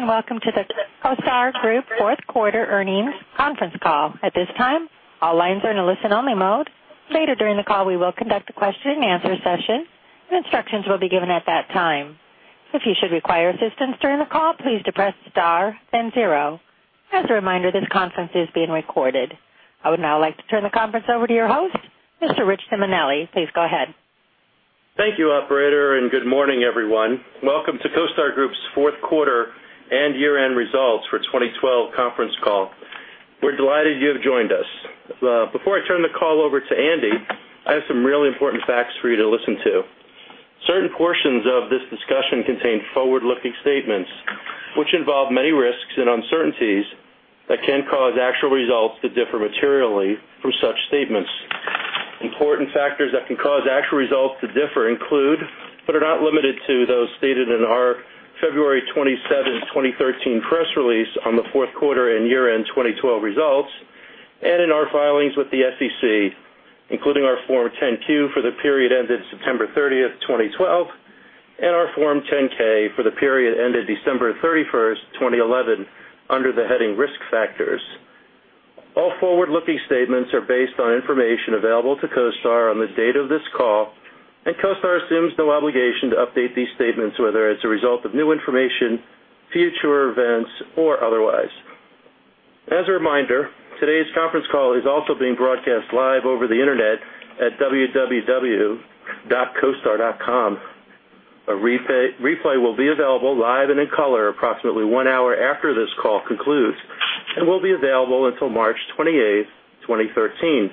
Welcome to the CoStar Group Fourth Quarter Earnings Conference Call. At this time, all lines are in a listen-only mode. Later during the call, we will conduct a question-and-answer session, and instructions will be given at that time. If you should require assistance during the call, please depress star then zero. As a reminder, this conference is being recorded. I would now like to turn the conference over to your host, Mr. Richard Simonelli. Please go ahead. Thank you, operator, good morning, everyone. Welcome to CoStar Group's fourth quarter and year-end results for 2012 conference call. We are delighted you have joined us. Before I turn the call over to Andy, I have some really important facts for you to listen to. Certain portions of this discussion contain forward-looking statements, which involve many risks and uncertainties that can cause actual results to differ materially from such statements. Important factors that can cause actual results to differ include, but are not limited to, those stated in our February 27, 2013, press release on the fourth quarter and year-end 2012 results, and in our filings with the SEC, including our Form 10-Q for the period ended September 30, 2012, and our Form 10-K for the period ended December 31, 2011, under the heading Risk Factors. All forward-looking statements are based on information available to CoStar on the date of this call, and CoStar assumes no obligation to update these statements, whether as a result of new information, future events, or otherwise. As a reminder, today's conference call is also being broadcast live over the internet at www.costar.com. A replay will be available live and in color approximately one hour after this call concludes and will be available until March 28, 2013.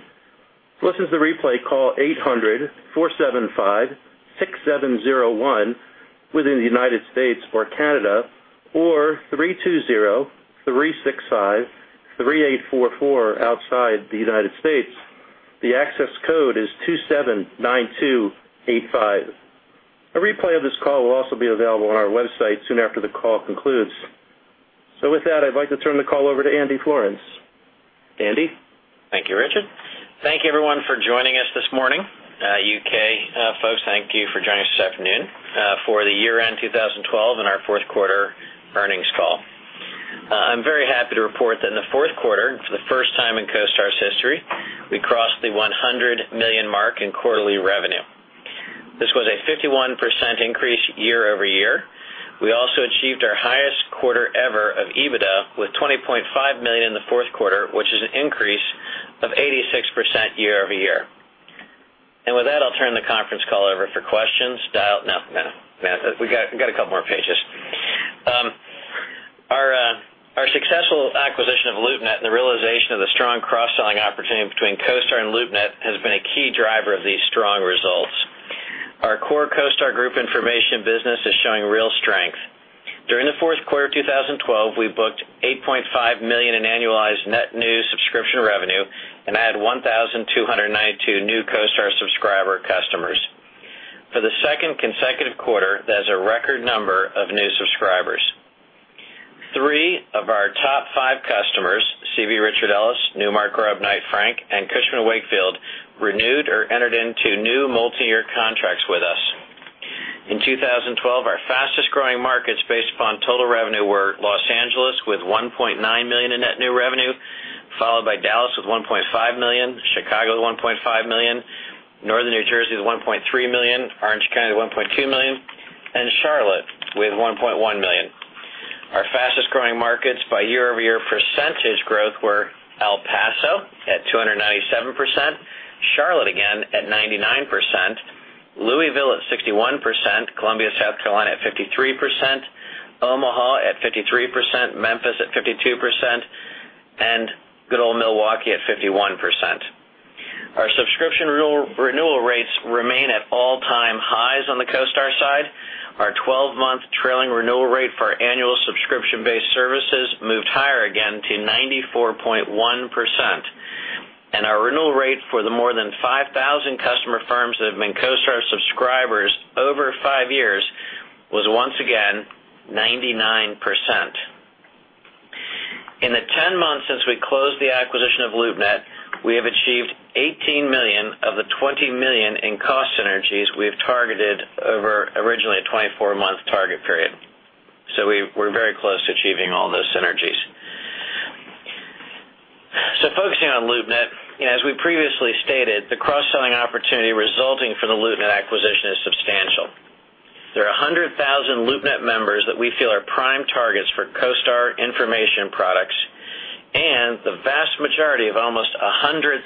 To listen to the replay, call 800-475-6701 within the U.S. or Canada, or 320-365-3844 outside the United States. The access code is 279285. A replay of this call will also be available on our website soon after the call concludes. With that, I would like to turn the call over to Andy Florance. Andy? Thank you, Richard. Thank you, everyone, for joining us this morning. U.K. folks, thank you for joining us this afternoon for the year-end 2012 and our fourth quarter earnings call. I am very happy to report that in the fourth quarter, for the first time in CoStar's history, we crossed the $100 million mark in quarterly revenue. This was a 51% increase year-over-year. We also achieved our highest quarter ever of EBITDA, with $20.5 million in the fourth quarter, which is an increase of 86% year-over-year. Dial No. We got a couple more pages. Our successful acquisition of LoopNet and the realization of the strong cross-selling opportunity between CoStar and LoopNet has been a key driver of these strong results. Our core CoStar Group information business is showing real strength. During the fourth quarter of 2012, we booked $8.5 million in annualized net new subscription revenue and add 1,292 new CoStar subscriber customers. For the second consecutive quarter, that is a record number of new subscribers. Three of our top five customers, CB Richard Ellis, Newmark Grubb Knight Frank, and Cushman & Wakefield, renewed or entered into new multi-year contracts with us. In 2012, our fastest-growing markets based upon total revenue were Los Angeles, with $1.9 million in net new revenue, followed by Dallas with $1.5 million, Chicago with $1.5 million, Northern New Jersey with $1.3 million, Orange County with $1.2 million, and Charlotte with $1.1 million. Our fastest-growing markets by year-over-year percentage growth were El Paso at 297%, Charlotte again at 99%, Louisville at 61%, Columbia, South Carolina, at 53%, Omaha at 53%, Memphis at 52%, and good old Milwaukee at 51%. Our subscription renewal rates remain at all-time highs on the CoStar side. Our 12-month trailing renewal rate for our annual subscription-based services moved higher again to 94.1%. Our renewal rate for the more than 5,000 customer firms that have been CoStar subscribers over five years was once again 99%. In the 10 months since we closed the acquisition of LoopNet, we have achieved $18 million of the $20 million in cost synergies we have targeted over originally a 24-month target period. We're very close to achieving all those synergies. Focusing on LoopNet, as we previously stated, the cross-selling opportunity resulting from the LoopNet acquisition is substantial. There are 100,000 LoopNet members that we feel are prime targets for CoStar information products, and the vast majority of almost 100,000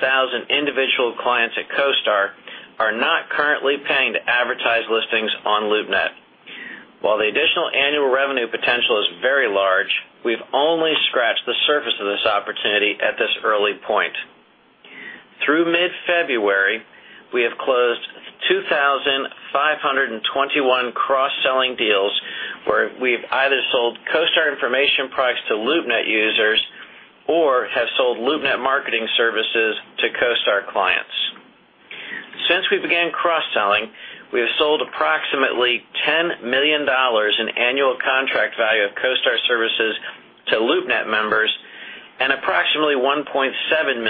individual clients at CoStar are not currently paying to advertise listings on LoopNet. While the additional annual revenue potential is very large, we've only scratched the surface of this opportunity at this early point. Through mid-February, we have closed 2,521 cross-selling deals where we've either sold CoStar information products to LoopNet users or have sold LoopNet marketing services to CoStar clients. Since we began cross-selling, we have sold approximately $10 million in annual contract value of CoStar services to LoopNet members and approximately $1.7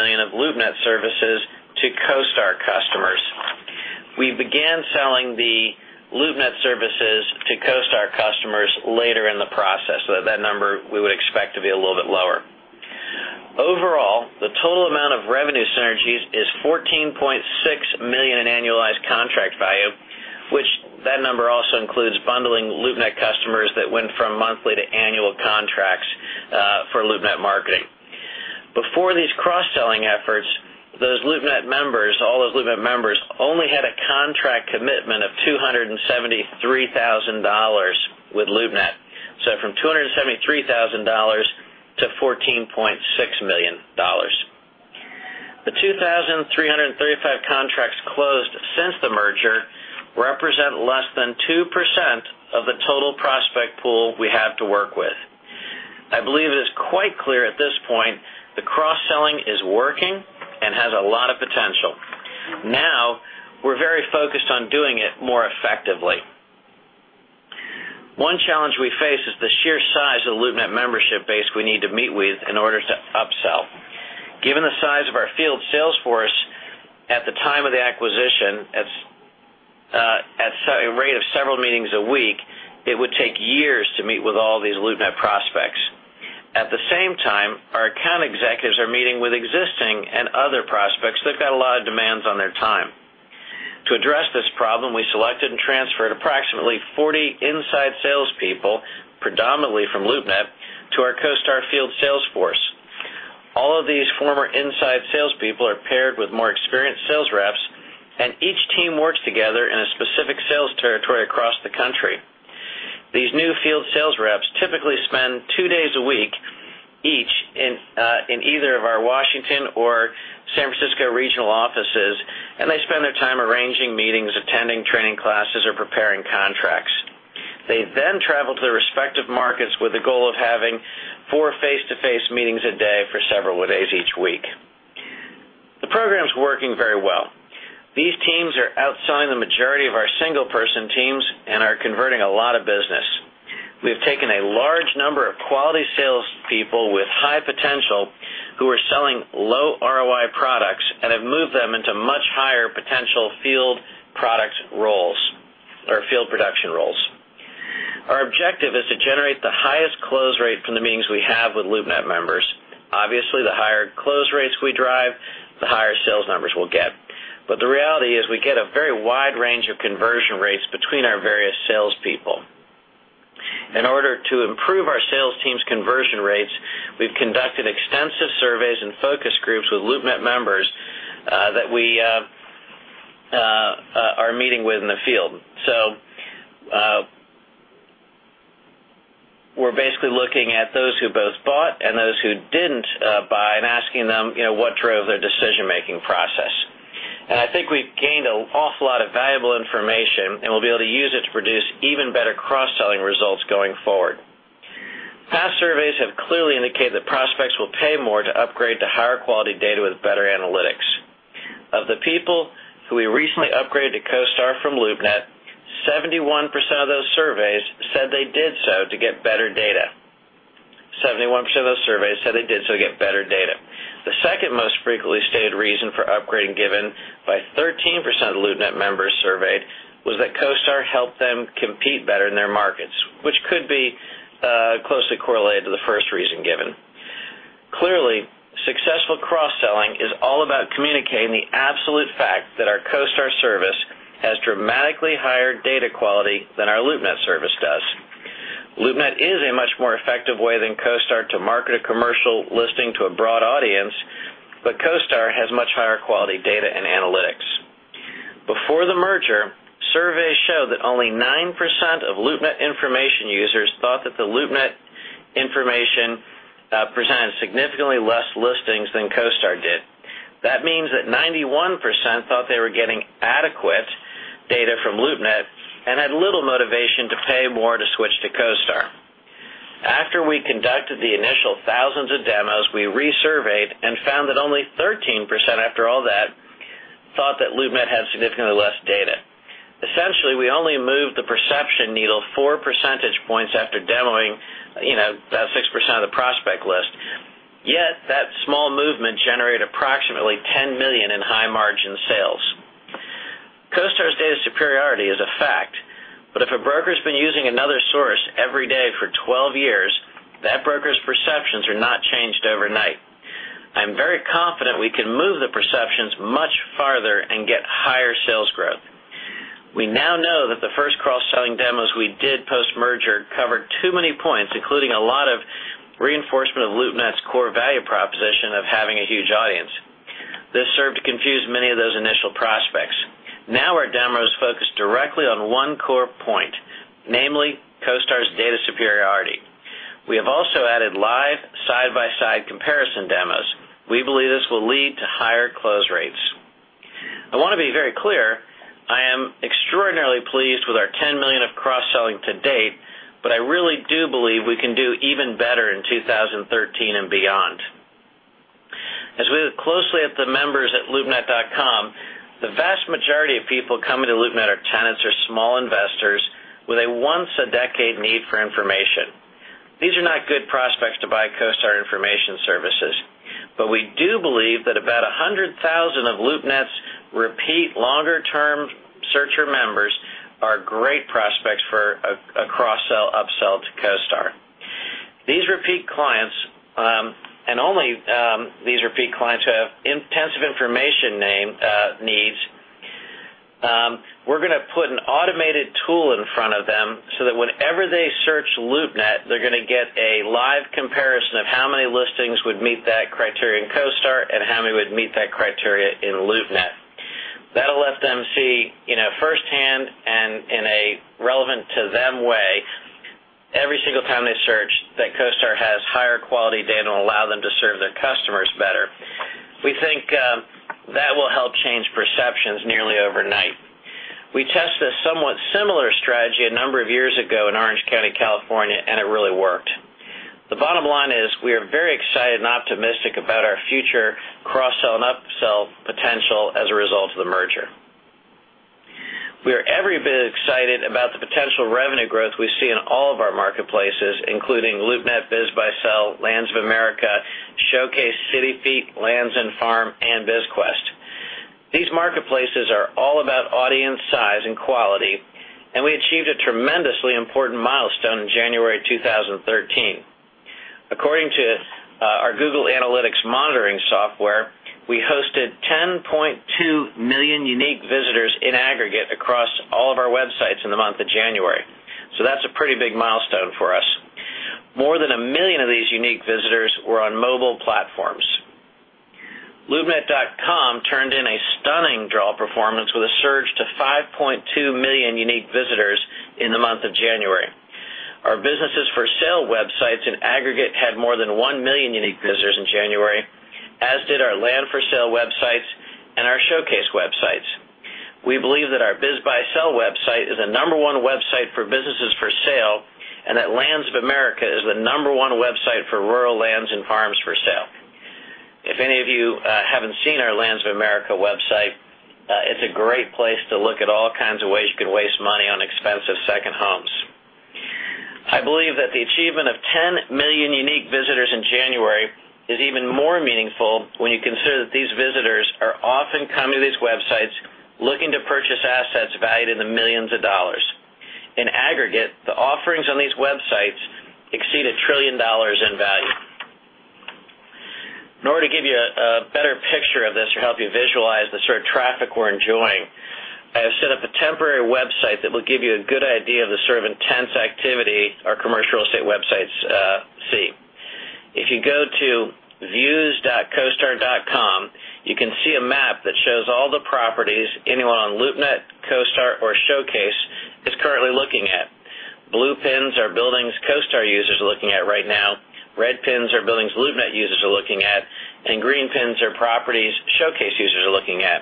We began selling the LoopNet services to CoStar customers later in the process, so that number we would expect to be a little bit lower. Overall, the total amount of revenue synergies is $14.6 million in annualized contract value, which that number also includes bundling LoopNet customers that went from monthly to annual contracts for LoopNet marketing. Before these cross-selling efforts, those LoopNet members, all those LoopNet members only had a contract commitment of $273,000 with LoopNet. From $273,000 to $14.6 million. The 2,335 contracts closed since the merger represent less than 2% of the total prospect pool we have to work with. I believe it is quite clear at this point the cross-selling is working and has a lot of potential. Now we're very focused on doing it more effectively. One challenge we face is the sheer size of the LoopNet membership base we need to meet with in order to upsell. Given the size of our field sales force at the time of the acquisition, at a rate of several meetings a week, it would take years to meet with all these LoopNet prospects. At the same time, our account executives are meeting with existing and other prospects. They've got a lot of demands on their time. To address this problem, we selected and transferred approximately 40 inside salespeople, predominantly from LoopNet, to our CoStar field sales force. All of these former inside salespeople are paired with more experienced sales reps, and each team works together in a specific sales territory across the country. These new field sales reps typically spend two days a week each in either of our Washington or San Francisco regional offices, and they spend their time arranging meetings, attending training classes, or preparing contracts. They then travel to their respective markets with the goal of having four face-to-face meetings a day for several days each week. The program's working very well. These teams are outselling the majority of our single-person teams and are converting a lot of business. We have taken a large number of quality salespeople with high potential who are selling low ROI products and have moved them into much higher potential field product roles or field production roles. Our objective is to generate the highest close rate from the meetings we have with LoopNet members. Obviously, the higher close rates we drive, the higher sales numbers we'll get. The reality is we get a very wide range of conversion rates between our various salespeople. In order to improve our sales team's conversion rates, we've conducted extensive surveys and focus groups with LoopNet members that we are meeting with in the field. We're basically looking at those who both bought and those who didn't buy and asking them what drove their decision-making process. I think we've gained an awful lot of valuable information, and we'll be able to use it to produce even better cross-selling results going forward. Past surveys have clearly indicated that prospects will pay more to upgrade to higher quality data with better analytics. Of the people who we recently upgraded to CoStar from LoopNet, 71% of those surveys said they did so to get better data. 71% of those surveys said they did so to get better data. The second most frequently stated reason for upgrading, given by 13% of the LoopNet members surveyed, was that CoStar helped them compete better in their markets, which could be closely correlated to the first reason given. Clearly, successful cross-selling is all about communicating the absolute fact that our CoStar service has dramatically higher data quality than our LoopNet service does. LoopNet is a much more effective way than CoStar to market a commercial listing to a broad audience, but CoStar has much higher quality data and analytics. Before the merger, surveys show that only 9% of LoopNet information users thought that the LoopNet information presented significantly less listings than CoStar did. That means that 91% thought they were getting adequate data from LoopNet and had little motivation to pay more to switch to CoStar. After we conducted the initial thousands of demos, we resurveyed and found that only 13%, after all that, thought that LoopNet had significantly less data. Essentially, we only moved the perception needle four percentage points after demoing about 6% of the prospect list. That small movement generated approximately $10 million in high-margin sales. CoStar's data superiority is a fact, but if a broker's been using another source every day for 12 years, that broker's perceptions are not changed overnight. I'm very confident we can move the perceptions much farther and get higher sales growth. We now know that the first cross-selling demos we did post-merger covered too many points, including a lot of reinforcement of LoopNet's core value proposition of having a huge audience. This served to confuse many of those initial prospects. Now our demo is focused directly on one core point, namely CoStar's data superiority. We have also added live side-by-side comparison demos. We believe this will lead to higher close rates. I want to be very clear, I am extraordinarily pleased with our $10 million of cross-selling to date, but I really do believe we can do even better in 2013 and beyond. As we look closely at the members at LoopNet.com, the vast majority of people coming with a once-a-decade need for information. These are not good prospects to buy CoStar information services. We do believe that about 100,000 of LoopNet's repeat longer-term searcher members are great prospects for a cross-sell, up-sell to CoStar. These repeat clients, and only these repeat clients, who have intensive information needs, we're going to put an automated tool in front of them so that whenever they search LoopNet, they're going to get a live comparison of how many listings would meet that criterion in CoStar and how many would meet that criteria in LoopNet. That'll let them see firsthand and in a relevant to them way, every single time they search, that CoStar has higher quality data and will allow them to serve their customers better. We think that will help change perceptions nearly overnight. We tested a somewhat similar strategy a number of years ago in Orange County, California, and it really worked. The bottom line is we are very excited and optimistic about our future cross-sell and up-sell potential as a result of the merger. We are every bit as excited about the potential revenue growth we see in all of our marketplaces, including LoopNet, BizBuySell, Lands of America, Showcase, CityFeet, LandAndFarm, and BizQuest. These marketplaces are all about audience size and quality, and we achieved a tremendously important milestone in January 2013. According to our Google Analytics monitoring software, we hosted 10.2 million unique visitors in aggregate across all of our websites in the month of January. That's a pretty big milestone for us. More than 1 million of these unique visitors were on mobile platforms. LoopNet.com turned in a stunning draw performance with a surge to 5.2 million unique visitors in the month of January. Our businesses-for-sale websites in aggregate had more than 1 million unique visitors in January, as did our land-for-sale websites and our Showcase websites. We believe that our BizBuySell website is the number 1 website for businesses for sale, and that Lands of America is the number 1 website for rural lands and farms for sale. If any of you haven't seen our Lands of America website, it's a great place to look at all kinds of ways you can waste money on expensive second homes. I believe that the achievement of 10 million unique visitors in January is even more meaningful when you consider that these visitors are often coming to these websites looking to purchase assets valued in the millions of dollars. In aggregate, the offerings on these websites exceed $1 trillion in value. In order to give you a better picture of this or help you visualize the sort of traffic we're enjoying, I have set up a temporary website that will give you a good idea of the sort of intense activity our commercial real estate websites see. If you go to views.costar.com, you can see a map that shows all the properties anyone on LoopNet, CoStar, or Showcase is currently looking at. Blue pins are buildings CoStar users are looking at right now. Red pins are buildings LoopNet users are looking at. Green pins are properties Showcase users are looking at.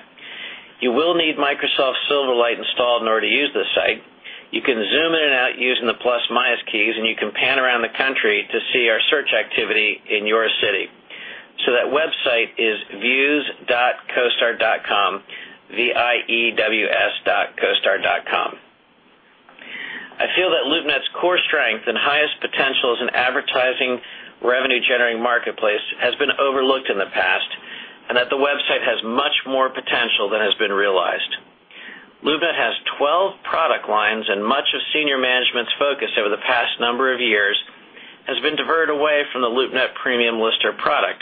You will need Microsoft Silverlight installed in order to use this site. You can zoom in and out using the plus/minus keys, you can pan around the country to see our search activity in your city. That website is views.costar.com, V-I-E-W-S dot costar.com. I feel that LoopNet's core strength and highest potential as an advertising revenue-generating marketplace has been overlooked in the past, the website has much more potential than has been realized. LoopNet has 12 product lines, much of senior management's focus over the past number of years has been diverted away from the LoopNet PremiumLister product,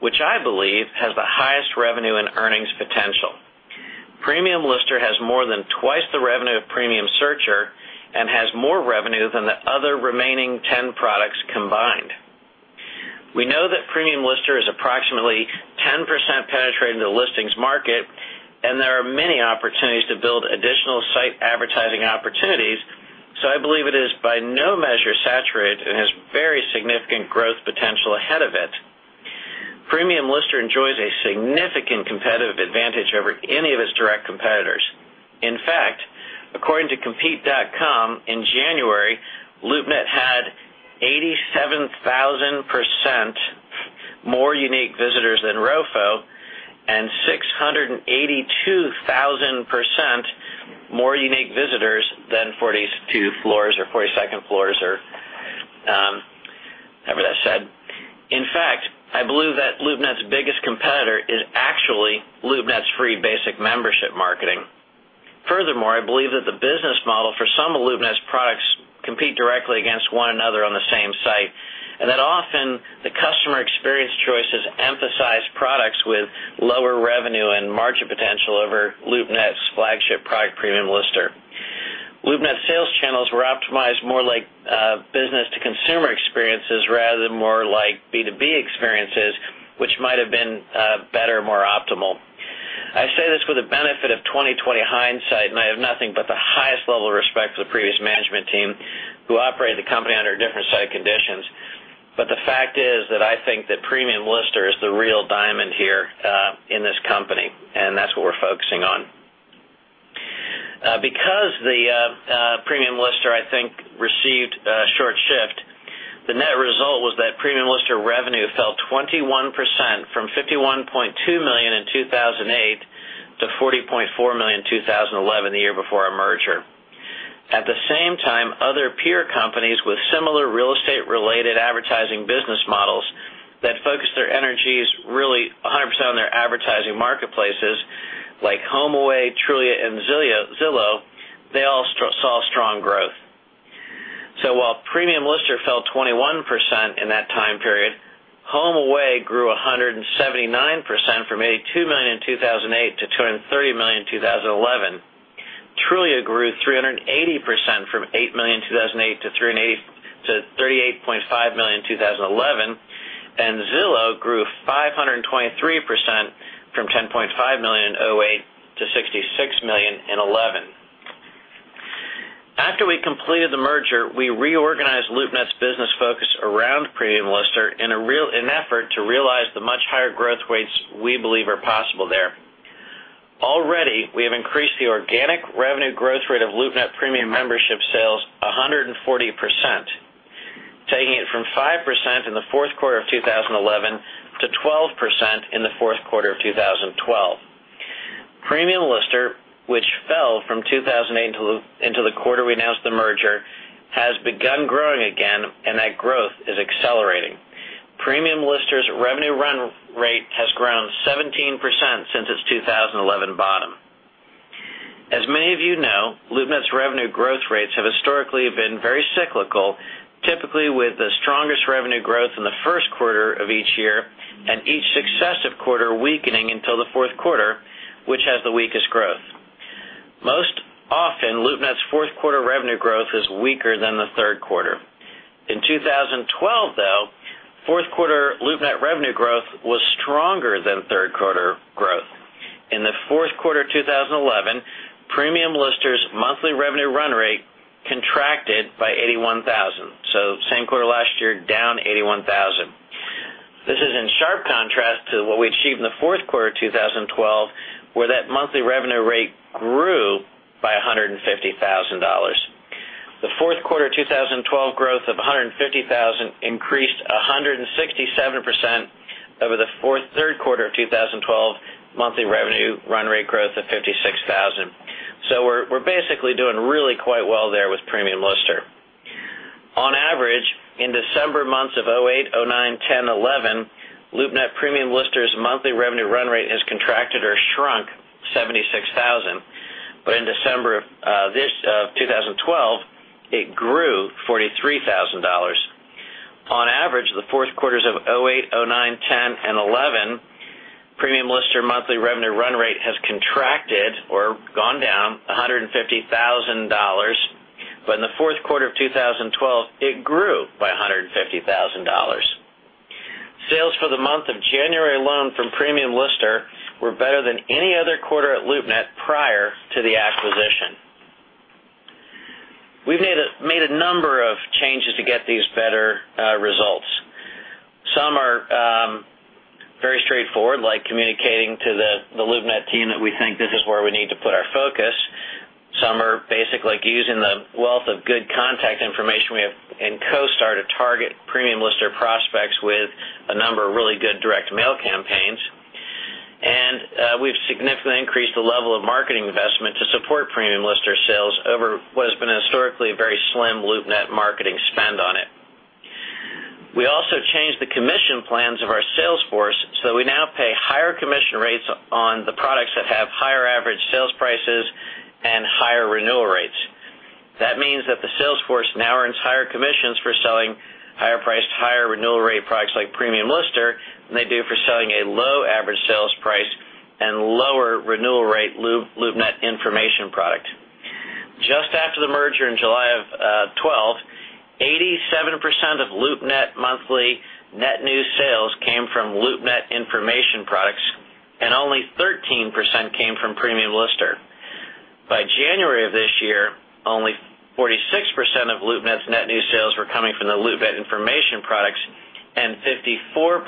which I believe has the highest revenue and earnings potential. PremiumLister has more than twice the revenue of PremiumSearcher and has more revenue than the other remaining 10 products combined. We know that PremiumLister is approximately 10% penetrated in the listings market, there are many opportunities to build additional site advertising opportunities. I believe it is by no measure saturated and has very significant growth potential ahead of it. PremiumLister enjoys a significant competitive advantage over any of its direct competitors. In fact, according to compete.com, in January, LoopNet had 87,000% more unique visitors than ROFO and 682,000% more unique visitors than 42Floors or 42nd Floors or however that's said. In fact, I believe that LoopNet's biggest competitor is actually LoopNet's free basic membership marketing. I believe that the business model for some of LoopNet's products compete directly against one another on the same site, often the customer experience choices emphasize products with lower revenue and margin potential over LoopNet's flagship product, PremiumLister. LoopNet sales channels were optimized more like business-to-consumer experiences rather than more like B2B experiences, which might have been better, more optimal. I say this with the benefit of 20/20 hindsight, I have nothing but the highest level of respect for the previous management team who operated the company under different site conditions. The fact is that I think that PremiumLister is the real diamond here in this company, that's what we're focusing on. To $40.4 million in 2011, the year before our merger. At the same time, other peer companies with similar real estate-related advertising business models that focus their energies really 100% on their advertising marketplaces like HomeAway, Trulia, and Zillow, they all saw strong growth. While PremiumLister fell 21% in that time period, HomeAway grew 179% from $82 million in 2008 to $230 million in 2011. Trulia grew 380% from $8 million in 2008 to $38.5 million in 2011. Zillow grew 523% from $10.5 million in 2008 to $66 million in 2011. After we completed the merger, we reorganized LoopNet's business focus around Premium Lister in effort to realize the much higher growth rates we believe are possible there. Already, we have increased the organic revenue growth rate of LoopNet premium membership sales 140%, taking it from 5% in the fourth quarter of 2011 to 12% in the fourth quarter of 2012. Premium Lister, which fell from 2008 into the quarter we announced the merger, has begun growing again, and that growth is accelerating. Premium Lister's revenue run rate has grown 17% since its 2011 bottom. As many of you know, LoopNet's revenue growth rates have historically been very cyclical, typically with the strongest revenue growth in the first quarter of each year and each successive quarter weakening until the fourth quarter, which has the weakest growth. Most often, LoopNet's fourth quarter revenue growth is weaker than the third quarter. In 2012, though, fourth quarter LoopNet revenue growth was stronger than third quarter growth. In the fourth quarter 2011, Premium Lister's monthly revenue run rate contracted by $81,000. Same quarter last year, down $81,000. This is in sharp contrast to what we achieved in the fourth quarter 2012, where that monthly revenue rate grew by $150,000. The fourth quarter 2012 growth of $150,000 increased 167% over the third quarter of 2012 monthly revenue run rate growth of $56,000. We're basically doing really quite well there with Premium Lister. On average, in December months of 2008, 2009, 2010, 2011, LoopNet Premium Lister's monthly revenue run rate has contracted or shrunk $76,000. In December of 2012, it grew $43,000. On average, the fourth quarters of 2008, 2009, 2010, and 2011, Premium Lister monthly revenue run rate has contracted or gone down $150,000, but in the fourth quarter of 2012, it grew by $150,000. Sales for the month of January alone from Premium Lister were better than any other quarter at LoopNet prior to the acquisition. We've made a number of changes to get these better results. Some are very straightforward, like communicating to the LoopNet team that we think this is where we need to put our focus. Some are basic, like using the wealth of good contact information we have in CoStar to target Premium Lister prospects with a number of really good direct mail campaigns. We've significantly increased the level of marketing investment to support Premium Lister sales over what has been historically a very slim LoopNet marketing spend on it. We also changed the commission plans of our sales force, so we now pay higher commission rates on the products that have higher average sales prices and higher renewal rates. That means that the sales force now earns higher commissions for selling higher-priced, higher renewal rate products like Premium Lister than they do for selling a low average sales price and lower renewal rate LoopNet information product. Just after the merger in July of 2012, 87% of LoopNet monthly net new sales came from LoopNet information products, and only 13% came from Premium Lister. By January of this year, only 46% of LoopNet's net new sales were coming from the LoopNet information products, and 54%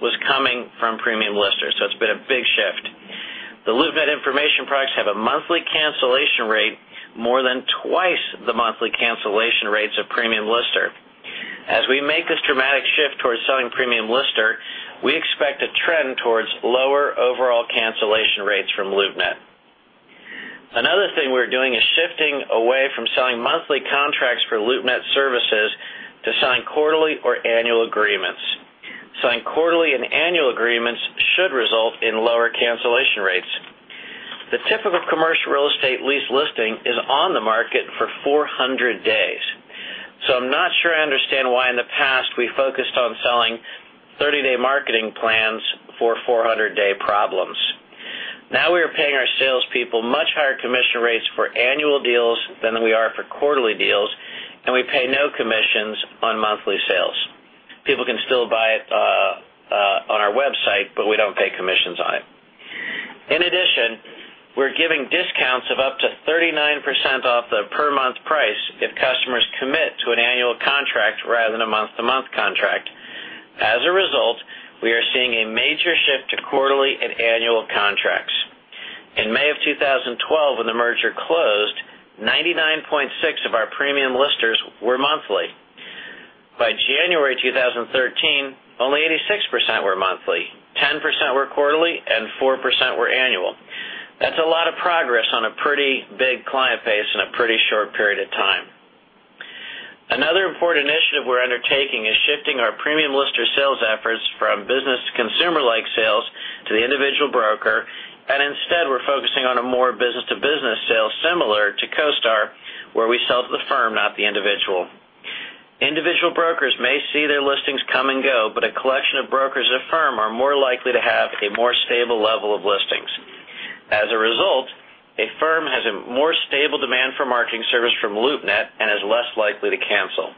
was coming from Premium Lister. It's been a big shift. The LoopNet information products have a monthly cancellation rate more than twice the monthly cancellation rates of Premium Lister. As we make this dramatic shift towards selling Premium Lister, we expect a trend towards lower overall cancellation rates from LoopNet. We are shifting away from selling monthly contracts for LoopNet services to sign quarterly or annual agreements. Signing quarterly and annual agreements should result in lower cancellation rates. The typical commercial real estate lease listing is on the market for 400 days. I am not sure I understand why in the past we focused on selling 30-day marketing plans for 400-day problems. We are paying our salespeople much higher commission rates for annual deals than we are for quarterly deals, and we pay no commissions on monthly sales. People can still buy it on our website, but we do not pay commissions on it. In addition, we are giving discounts of up to 39% off the per month price if customers commit to an annual contract rather than a month-to-month contract. We are seeing a major shift to quarterly and annual contracts. In May of 2012, when the merger closed, 2013, only 86% were monthly, 10% were quarterly, and 4% were annual. That is a lot of progress on a pretty big client base in a pretty short period of time. We are shifting our Premium Lister sales efforts from business to consumer-like sales to the individual broker, and instead, we are focusing on a more business-to-business sale, similar to CoStar, where we sell to the firm, not the individual. Individual brokers may see their listings come and go, but a collection of brokers at a firm are more likely to have a more stable level of listings. A firm has a more stable demand for marketing service from LoopNet and is less likely to cancel.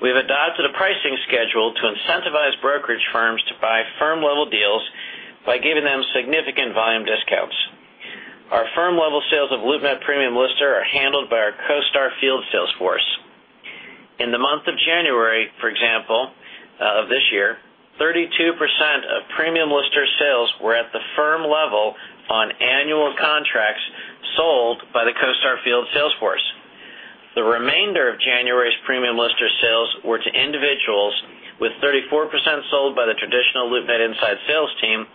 We have adapted a pricing schedule to incentivize brokerage firms to buy firm-level deals by giving them significant volume discounts. Our firm-level sales of LoopNet Premium Lister are handled by our CoStar field sales force. In the month of January, for example, of this year, 32% of Premium Lister sales were at the firm level on annual contracts sold by the CoStar field sales force. The remainder of January's Premium Lister sales were to individuals, with 34% sold by the traditional LoopNet inside sales team,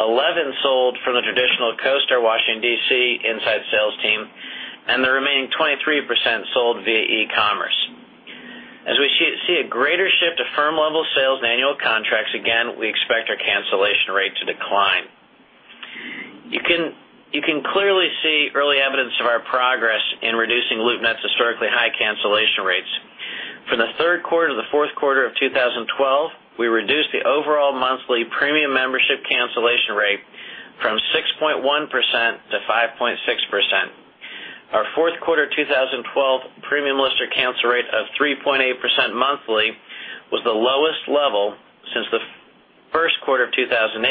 11% sold from the traditional CoStar Washington, D.C., inside sales team, and the remaining 23% sold via e-commerce. As we see a greater shift to firm-level sales and annual contracts, again, we expect our cancellation rate to decline. You can clearly see early evidence of our progress in reducing LoopNet's historically high cancellation rates. For the third quarter to the fourth quarter of 2012, we reduced the overall monthly Premium Membership cancellation rate from 6.1% to 5.6%. Our fourth quarter 2012 Premium Lister cancel rate of 3.8% monthly was the lowest level since the first quarter of 2008,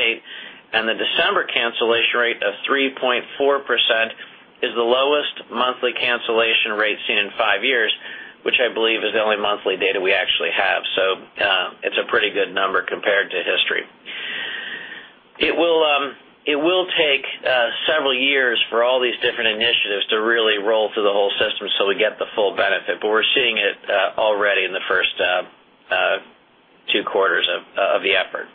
and the December cancellation rate of 3.4% is the lowest monthly cancellation rate seen in five years, which I believe is the only monthly data we actually have. It is a pretty good number compared to history. It will take several years for all these different initiatives to really roll through the whole system so we get the full benefit, but we are seeing it already in the first two quarters of the effort.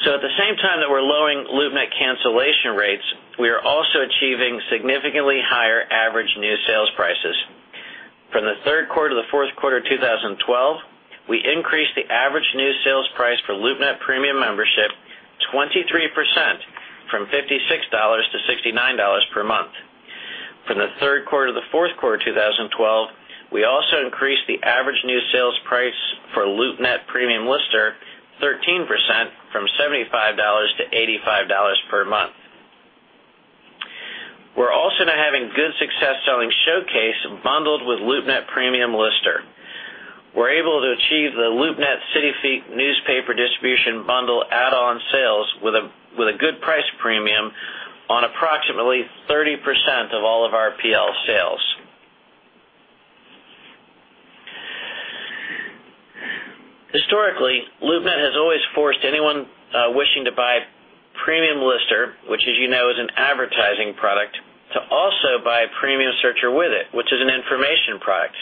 At the same time that we're lowering LoopNet cancellation rates, we are also achieving significantly higher average new sales prices. From the third quarter to the fourth quarter 2012, we increased the average new sales price for LoopNet Premium Membership 23%, from $56 to $69 per month. From the third quarter to the fourth quarter 2012, we also increased the average new sales price for LoopNet Premium Lister 13%, from $75 to $85 per month. We're also now having good success selling Showcase bundled with LoopNet Premium Lister. We're able to achieve the LoopNet CityFeet newspaper distribution bundle add-on sales with a good price premium on approximately 30% of all of our PL sales. Historically, LoopNet has always forced anyone wishing to buy Premium Lister, which as you know is an advertising product, to also buy Premium Searcher with it, which is an information product.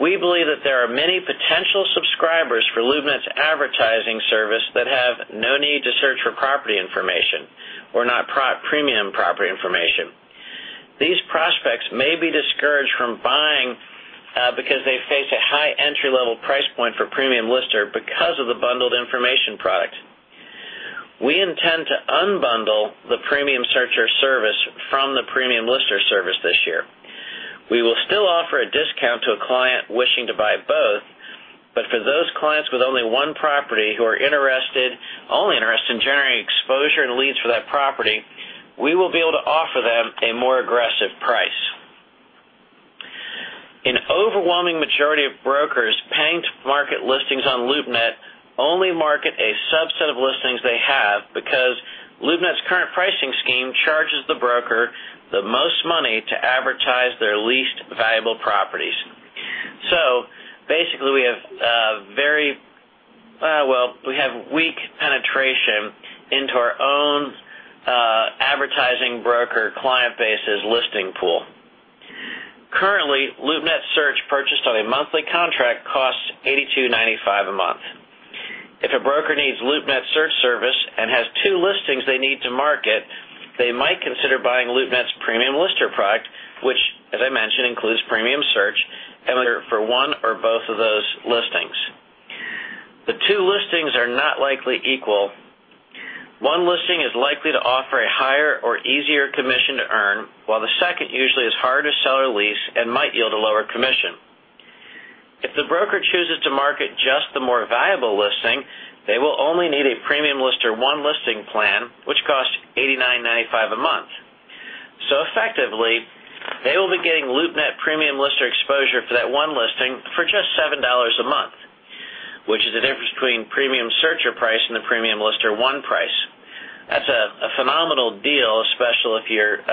We believe that there are many potential subscribers for LoopNet's advertising service that have no need to search for property information or not premium property information. These prospects may be discouraged from buying because they face a high entry-level price point for Premium Lister because of the bundled information product. We intend to unbundle the Premium Searcher service from the Premium Lister service this year. We will still offer a discount to a client wishing to buy both, but for those clients with only one property who are only interested in generating exposure and leads for that property, we will be able to offer them a more aggressive price. An overwhelming majority of brokers paying to market listings on LoopNet only market a subset of listings they have because LoopNet's current pricing scheme charges the broker the most money to advertise their least valuable properties. Basically, we have weak penetration into our own advertising broker client base's listing pool. Currently, LoopNet Search purchased on a monthly contract costs $82.95 a month. If a broker needs LoopNet's Search service and has two listings they need to market, they might consider buying LoopNet's Premium Lister product, which as I mentioned, includes Premium Search, either for one or both of those listings. The two listings are not likely equal. One listing is likely to offer a higher or easier commission to earn, while the second usually is harder to sell or lease and might yield a lower commission. If the broker chooses to market just the more valuable listing, they will only need a Premium Lister One listing plan, which costs $89.95 a month. Effectively, they will be getting LoopNet Premium Lister exposure for that one listing for just $7 a month, which is the difference between Premium Searcher price and the Premium Lister One price. That's a phenomenal deal, especially if you're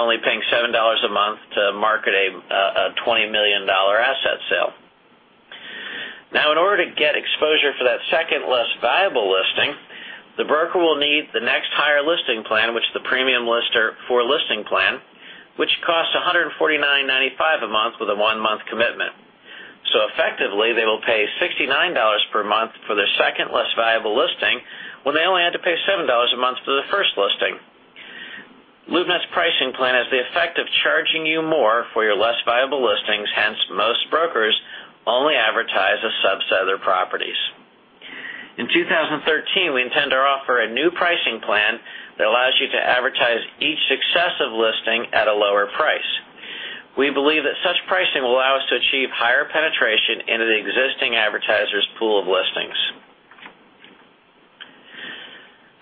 only paying $7 a month to market a $20 million asset sale. Now, in order to get exposure for that second, less valuable listing, the broker will need Which costs $149.95 a month with a one-month commitment. Effectively, they will pay $69 per month for their second less valuable listing when they only had to pay $7 a month for the first listing. LoopNet's pricing plan has the effect of charging you more for your less valuable listings, hence, most brokers only advertise a subset of their properties. In 2013, we intend to offer a new pricing plan that allows you to advertise each successive listing at a lower price. We believe that such pricing will allow us to achieve higher penetration into the existing advertisers' pool of listings.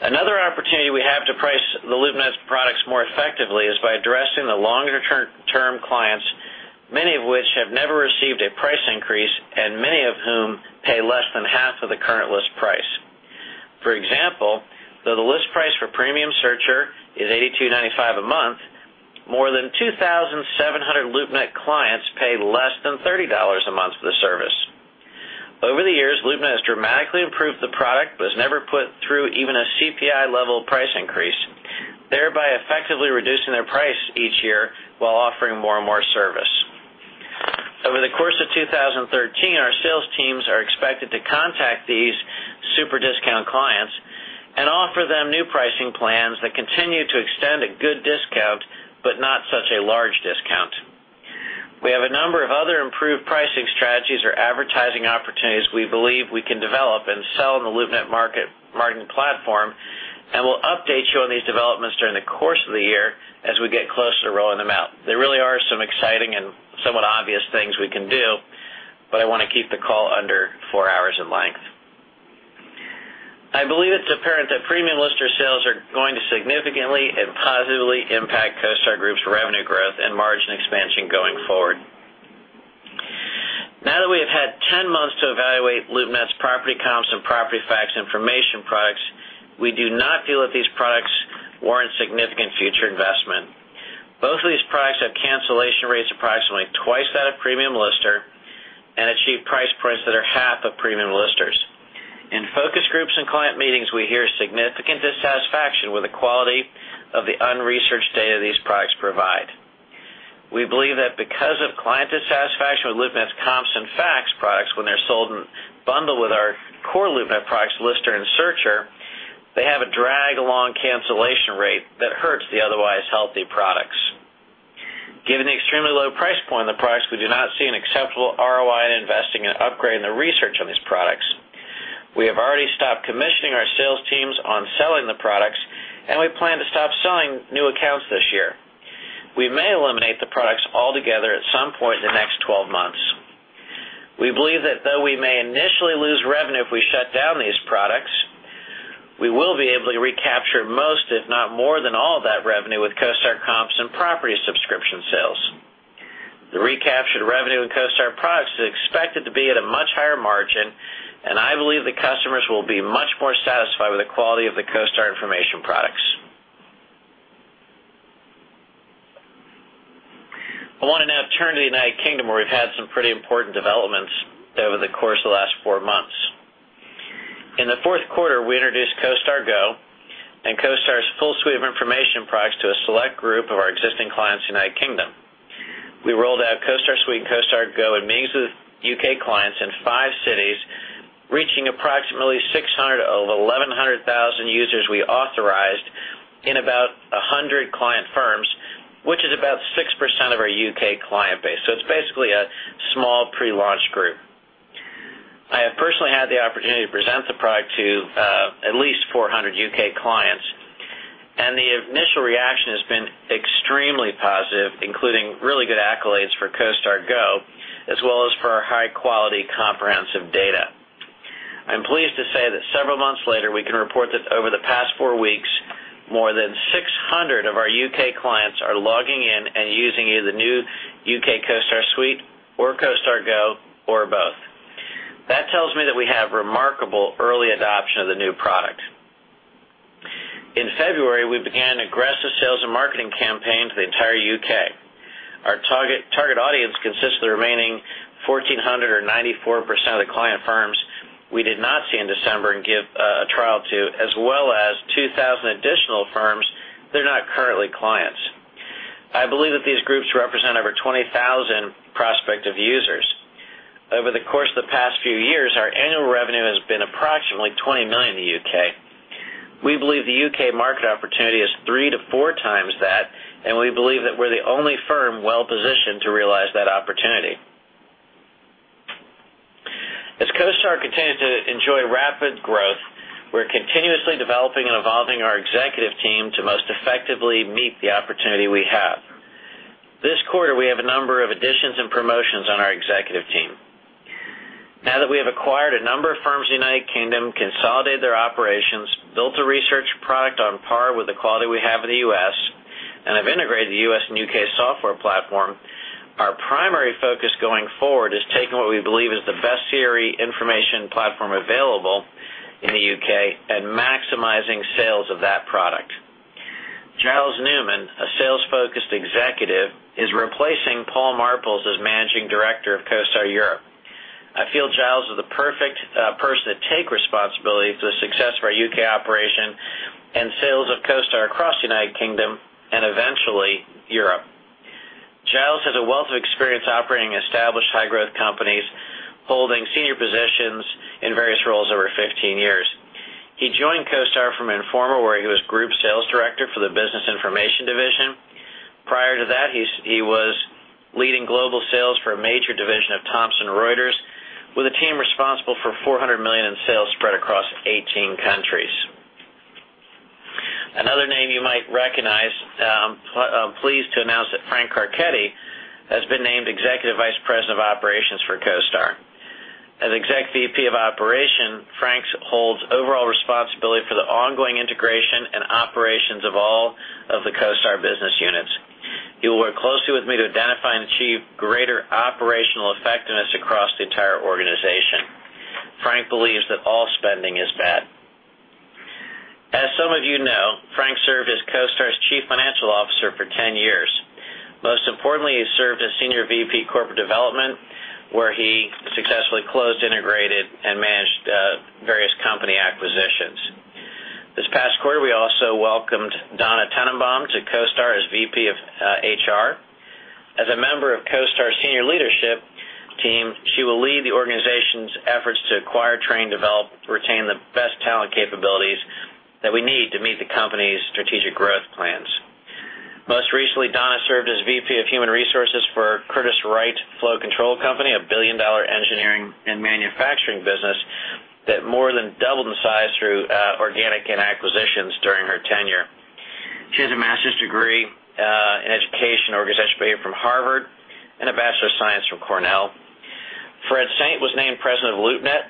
Another opportunity we have to price the LoopNet products more effectively is by addressing the longer-term clients, many of which have never received a price increase and many of whom pay less than half of the current list price. For example, though the list price for Premium Searcher is $82.95 a month, more than 2,700 LoopNet clients pay less than $30 a month for the service. Over the years, LoopNet has dramatically improved the product but has never put through even a CPI-level price increase, thereby effectively reducing their price each year while offering more and more service. Over the course of 2013, our sales teams are expected to contact these super discount clients and offer them new pricing plans that continue to extend a good discount, but not such a large discount. We have a number of other improved pricing strategies or advertising opportunities we believe we can develop and sell in the LoopNet marketing platform. We will update you on these developments during the course of the year as we get closer to rolling them out. There really are some exciting and somewhat obvious things we can do, but I want to keep the call under four hours in length. I believe it's apparent that Premium Lister sales are going to significantly and positively impact CoStar Group's revenue growth and margin expansion going forward. Now that we have had 10 months to evaluate LoopNet's Property Comps and Property Facts information products, we do not feel that these products warrant significant future investment. Both of these products have cancellation rates approximately twice that of Premium Lister and achieve price points that are half of Premium Lister's. In focus groups and client meetings, we hear significant dissatisfaction with the quality of the unresearched data these products provide. We believe that because of client dissatisfaction with LoopNet's comps and Facts products when they're sold and bundled with our core LoopNet products, Lister and Searcher, they have a drag-along cancellation rate that hurts the otherwise healthy products. Given the extremely low price point of the products, we do not see an acceptable ROI in investing in upgrading the research on these products. We have already stopped commissioning our sales teams on selling the products. We plan to stop selling new accounts this year. We may eliminate the products altogether at some point in the next 12 months. We believe that though we may initially lose revenue if we shut down these products, we will be able to recapture most, if not more than all of that revenue with CoStar comps and property subscription sales. The recaptured revenue in CoStar products is expected to be at a much higher margin. I believe the customers will be much more satisfied with the quality of the CoStar information products. I want to now turn to the United Kingdom, where we've had some pretty important developments over the course of the last four months. In the fourth quarter, we introduced CoStar Go and CoStar's full suite of information products to a select group of our existing clients in the United Kingdom. We rolled out CoStar Suite and CoStar Go in meetings with U.K. clients in five cities, reaching approximately 600 of 1,100 thousand users we authorized in about 100 client firms, which is about 6% of our U.K. client base. It's basically a small pre-launch group. I have personally had the opportunity to present the product to at least 400 U.K. clients, and the initial reaction has been extremely positive, including really good accolades for CoStar Go, as well as for our high-quality, comprehensive data. I'm pleased to say that several months later, we can report that over the past four weeks, more than 600 of our U.K. clients are logging in and using either the new U.K. CoStar Suite or CoStar Go or both. That tells me that we have remarkable early adoption of the new product. In February, we began aggressive sales and marketing campaigns in the entire U.K. Our target audience consists of the remaining 1,400 or 94% of the client firms we did not see in December and give a trial to, as well as 2,000 additional firms that are not currently clients. I believe that these groups represent over 20,000 prospective users. Over the course of the past few years, our annual revenue has been approximately $20 million in the U.K. We believe the U.K. market opportunity is three to four times that, and we believe that we're the only firm well-positioned to realize that opportunity. As CoStar continues to enjoy rapid growth, we're continuously developing and evolving our executive team to most effectively meet the opportunity we have. This quarter, we have a number of additions and promotions on our executive team. Now that we have acquired a number of firms in the United Kingdom, consolidated their operations, built a research product on par with the quality we have in the U.S., and have integrated the U.S. and U.K. software platform, our primary focus going forward is taking what we believe is the best CRE information platform available in the U.K. and maximizing sales of that product. Giles Newman, a sales-focused executive, is replacing Paul Marples as Managing Director of CoStar Europe. I feel Giles is the perfect person to take responsibility for the success of our U.K. operation and sales of CoStar across the United Kingdom, and eventually Europe. Giles has a wealth of experience operating established high-growth companies, holding senior positions in various roles over 15 years. He joined CoStar from Informa, where he was Group Sales Director for the Business Information Division. Prior to that, he was leading global sales for a major division of Thomson Reuters, with a team responsible for $400 million in sales spread across 18 countries. Another name you might recognize. I'm pleased to announce that Frank Carchedi has been named Executive Vice President of Operations for CoStar. As Executive Vice President of Operations, Frank holds overall responsibility for the ongoing integration and operations of all of the CoStar business units. He will work closely with me to identify and achieve greater operational effectiveness across the entire organization. Frank believes that all spending is bad. As some of you know, Frank served as CoStar's Chief Financial Officer for 10 years. Most importantly, he served as Senior VP Corporate Development, where he successfully closed, integrated, and managed various company acquisitions. This past quarter, we also welcomed Donna Tanenbaum to CoStar as VP of HR. As a member of CoStar's senior leadership team, she will lead the organization's efforts to acquire, train, develop, retain the best talent capabilities that we need to meet the company's strategic growth plans. Most recently, Donna served as VP of Human Resources for Curtiss-Wright Flow Control, a billion-dollar engineering and manufacturing business that more than doubled in size through organic and acquisitions during her tenure. She has a master's degree in education, organizational behavior from Harvard, and a Bachelor of Science from Cornell. Fred Saint was named President of LoopNet.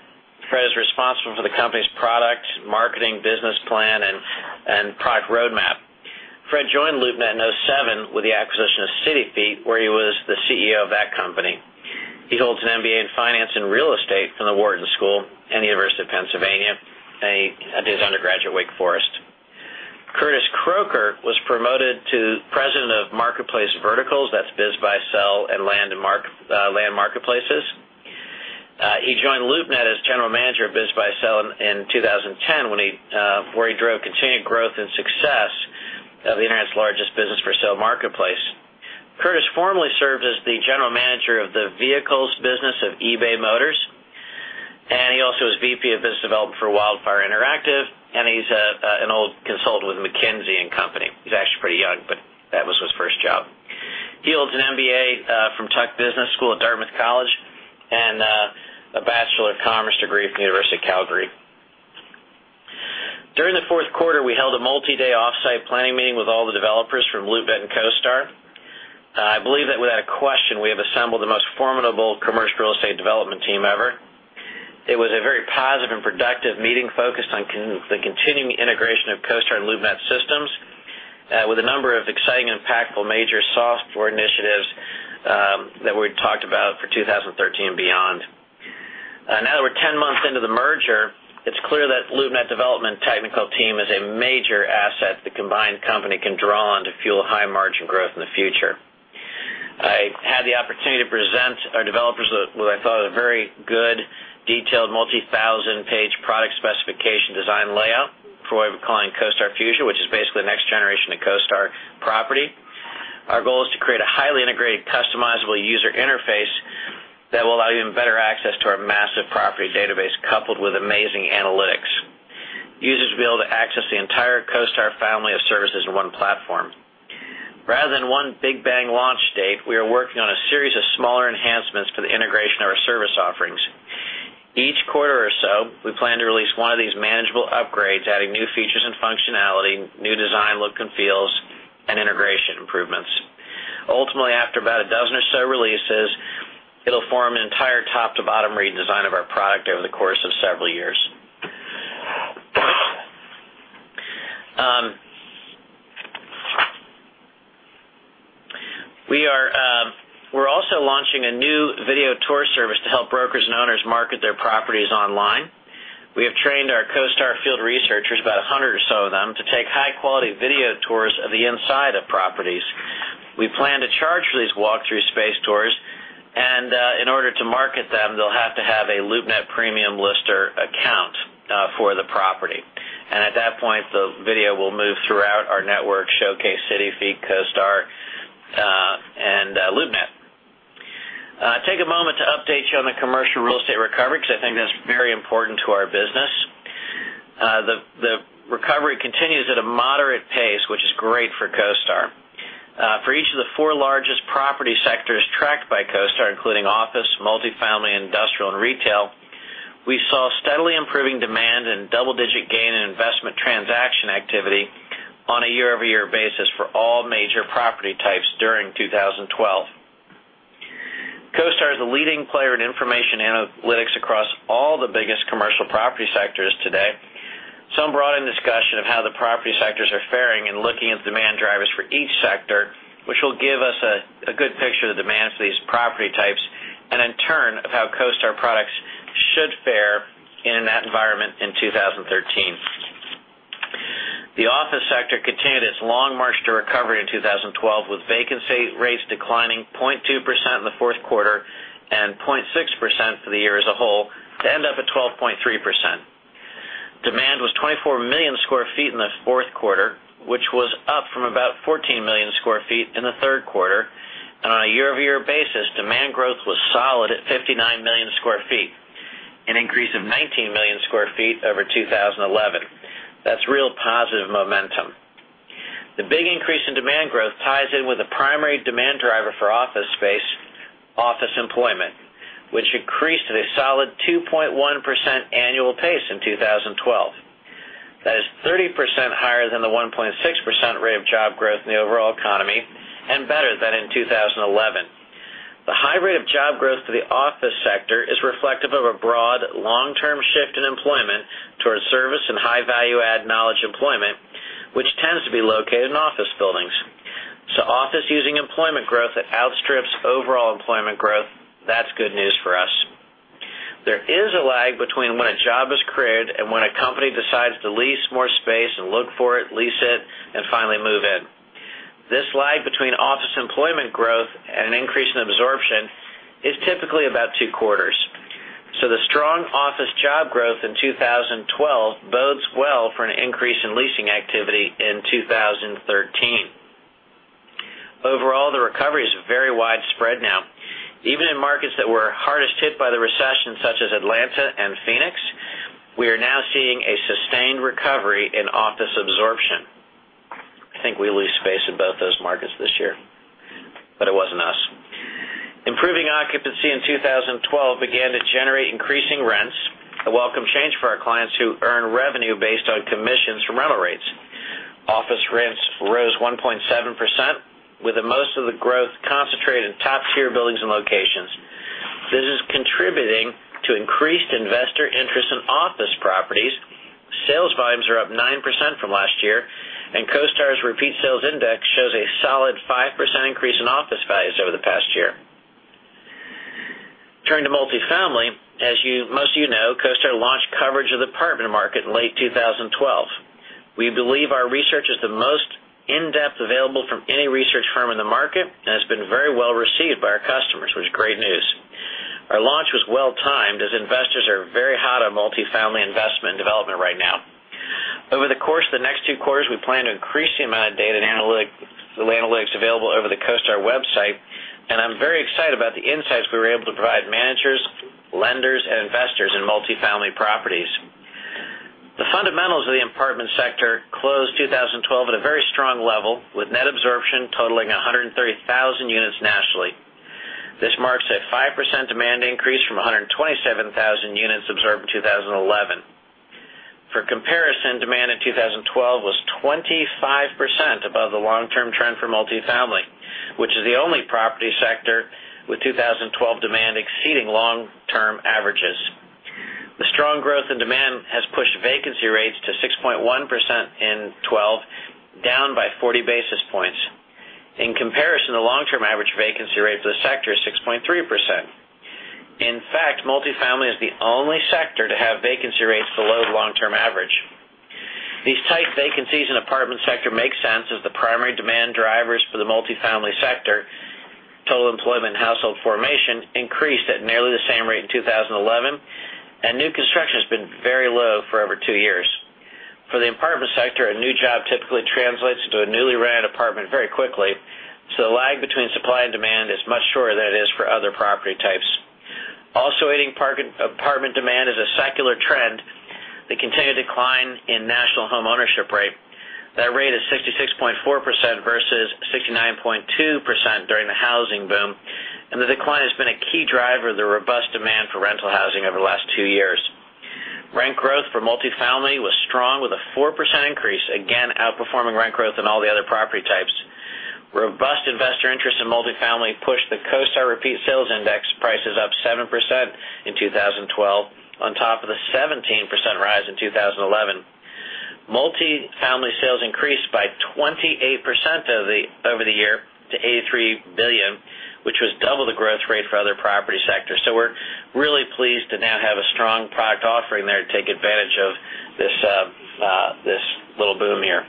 Fred is responsible for the company's product, marketing, business plan, and product roadmap. Fred joined LoopNet in 2007 with the acquisition of CityFeet, where he was the CEO of that company. He holds an MBA in finance and real estate from the Wharton School and the University of Pennsylvania, and did his undergraduate at Wake Forest. Curtis Crocker was promoted to President of Marketplace Verticals, that's BizBuySell and Land marketplaces. He joined LoopNet as General Manager of BizBuySell in 2010, where he drove continued growth and success of the internet's largest business for sale marketplace. Curtis formerly served as the General Manager of the vehicles business of eBay Motors, and he also was VP of business development for Wildfire Interactive, and he's an old consultant with McKinsey & Company. He's actually pretty young, but that was his first job. He holds an MBA from Tuck School of Business at Dartmouth College and a Bachelor of Commerce degree from the University of Calgary. During the fourth quarter, we held a multi-day off-site planning meeting with all the developers from LoopNet and CoStar. I believe that without a question, we have assembled the most formidable commercial real estate development team ever. It was a very positive and productive meeting focused on the continuing integration of CoStar and LoopNet systems, with a number of exciting, impactful major software initiatives that we talked about for 2013 and beyond. Now that we're 10 months into the merger, it's clear that LoopNet development technical team is a major asset the combined company can draw on to fuel high-margin growth in the future. I had the opportunity to present our developers what I thought was a very good, detailed multi-thousand-page product specification design layout for what we're calling CoStar Fusion, which is basically the next generation of CoStar Property. Our goal is to create a highly integrated, customizable user interface that will allow even better access to our massive property database, coupled with amazing analytics. Users will be able to access the entire CoStar family of services in one platform. Rather than one big bang launch date, we are working on a series of smaller enhancements for the integration of our service offerings. Each quarter or so, we plan to release one of these manageable upgrades, adding new features and functionality, new design look and feels, and integration improvements. Ultimately, after about a dozen or so releases, it'll form an entire top-to-bottom redesign of our product over the course of several years. We're also launching a new video tour service to help brokers and owners market their properties online. We have trained our CoStar field researchers, about 100 or so of them, to take high-quality video tours of the inside of properties. We plan to charge for these walk-through space tours, in order to market them, they'll have to have a LoopNet Premium Lister account for the property. At that point, the video will move throughout our network Showcase, CityFeet, CoStar, and LoopNet. Take a moment to update you on the commercial real estate recovery, because I think that's very important to our business. The recovery continues at a moderate pace, which is great for CoStar. For each of the four largest property sectors tracked by CoStar, including office, multifamily, industrial, and retail, we saw steadily improving demand and double-digit gain in investment transaction activity on a year-over-year basis for all major property types during 2012. CoStar is a leading player in information analytics across all the biggest commercial property sectors today. Some brought in discussion of how the property sectors are faring and looking at demand drivers for each sector, which will give us a good picture of the demand for these property types, and in turn, of how CoStar products should fare in that environment in 2013. The office sector continued its long march to recovery in 2012, with vacancy rates declining 0.2% in the fourth quarter and 0.6% for the year as a whole to end up at 12.3%. Demand was 24 million sq ft in the fourth quarter, which was up from about 14 million sq ft in the third quarter. On a year-over-year basis, demand growth was solid at 59 million sq ft, an increase of 19 million sq ft over 2011. That's real positive momentum. The big increase in demand growth ties in with the primary demand driver for office space, office employment, which increased at a solid 2.1% annual pace in 2012. That is 30% higher than the 1.6% rate of job growth in the overall economy and better than in 2011. The high rate of job growth for the office sector is reflective of a broad, long-term shift in employment towards service and high value-add knowledge employment, which tends to be located in office buildings. Office using employment growth that outstrips overall employment growth, that's good news for us. There is a lag between when a job is created and when a company decides to lease more space and look for it, lease it, and finally move in. This lag between office employment growth and an increase in absorption is typically about two quarters. The strong office job growth in 2012 bodes well for an increase in leasing activity in 2013. Overall, the recovery is very widespread now. Even in markets that were hardest hit by the recession, such as Atlanta and Phoenix, we are now seeing a sustained recovery in office absorption. I think we leased space in both those markets this year, but it wasn't us. Improving occupancy in 2012 began to generate increasing rents, a welcome change for our clients who earn revenue based on commissions from rental rates. Office rents rose 1.7%, with the most of the growth concentrated in top-tier buildings and locations. This is contributing to increased investor interest in office properties. Sales volumes are up 9% from last year, and CoStar's repeat sales index shows a solid 5% increase in office values over the past year. Turning to multifamily, as most of you know, CoStar launched coverage of the apartment market in late 2012. We believe our research is the most in-depth available from any research firm in the market and has been very well-received by our customers, which is great news. Our launch was well-timed, as investors are very hot on multifamily investment development right now. Over the course of the next two quarters, we plan to increase the amount of data and analytics available over the CoStar website, and I'm very excited about the insights we were able to provide managers, lenders, and investors in multifamily properties. The fundamentals of the apartment sector closed 2012 at a very strong level, with net absorption totaling 130,000 units nationally. This marks a 5% demand increase from 127,000 units absorbed in 2011. For comparison, demand in 2012 was 25% above the long-term trend for multifamily, which is the only property sector with 2012 demand exceeding long-term averages. The strong growth in demand has pushed vacancy rates to 6.1% in 2012, down by 40 basis points. In comparison, the long-term average vacancy rate for the sector is 6.3%. In fact, multifamily is the only sector to have vacancy rates below the long-term average. These tight vacancies in the apartment sector make sense as the primary demand drivers for the multifamily sector, total employment and household formation, increased at nearly the same rate in 2011, and new construction has been very low for over two years. For the apartment sector, a new job typically translates into a newly rented apartment very quickly, so the lag between supply and demand is much shorter than it is for other property types. Also aiding apartment demand is a secular trend, the continued decline in national home ownership rate. That rate is 66.4% versus 69.2% during the housing boom, and the decline has been a key driver of the robust demand for rental housing over the last two years. Rent growth for multifamily was strong with a 4% increase, again, outperforming rent growth in all the other property types. Robust investor interest in multifamily pushed the CoStar repeat sales index prices up 7% in 2012 on top of the 17% rise in 2011. Multifamily sales increased by 28% over the year to $83 billion, which was double the growth rate for other property sectors. We're really pleased to now have a strong product offering there to take advantage of this little boom here.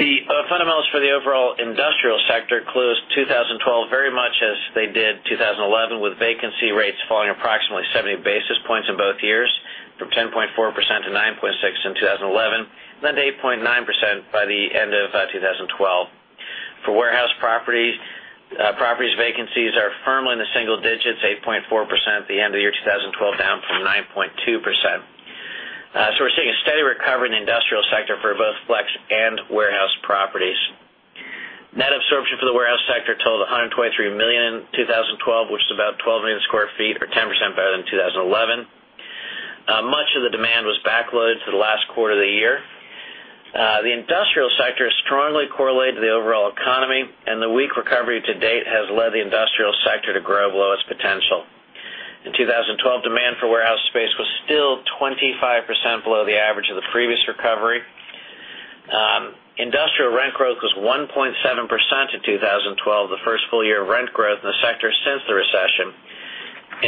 The fundamentals for the overall industrial sector closed 2012 very much as they did 2011, with vacancy rates falling approximately 70 basis points in both years, from 10.4% to 9.6% in 2011, and then to 8.9% by the end of 2012. For warehouse properties, vacancies are firmly in the single digits, 8.4% at the end of the year 2012, down from 9.2%. We're seeing a steady recovery in the industrial sector for both flex and warehouse properties. Net absorption for the warehouse sector totaled $123 million in 2012, which is about 12 million sq ft or 10% better than 2011. Much of the demand was backloaded to the last quarter of the year. The industrial sector is strongly correlated to the overall economy, and the weak recovery to date has led the industrial sector to grow below its potential. In 2012, demand for warehouse space was still 25% below the average of the previous recovery. Industrial rent growth was 1.7% in 2012, the first full year of rent growth in the sector since the recession.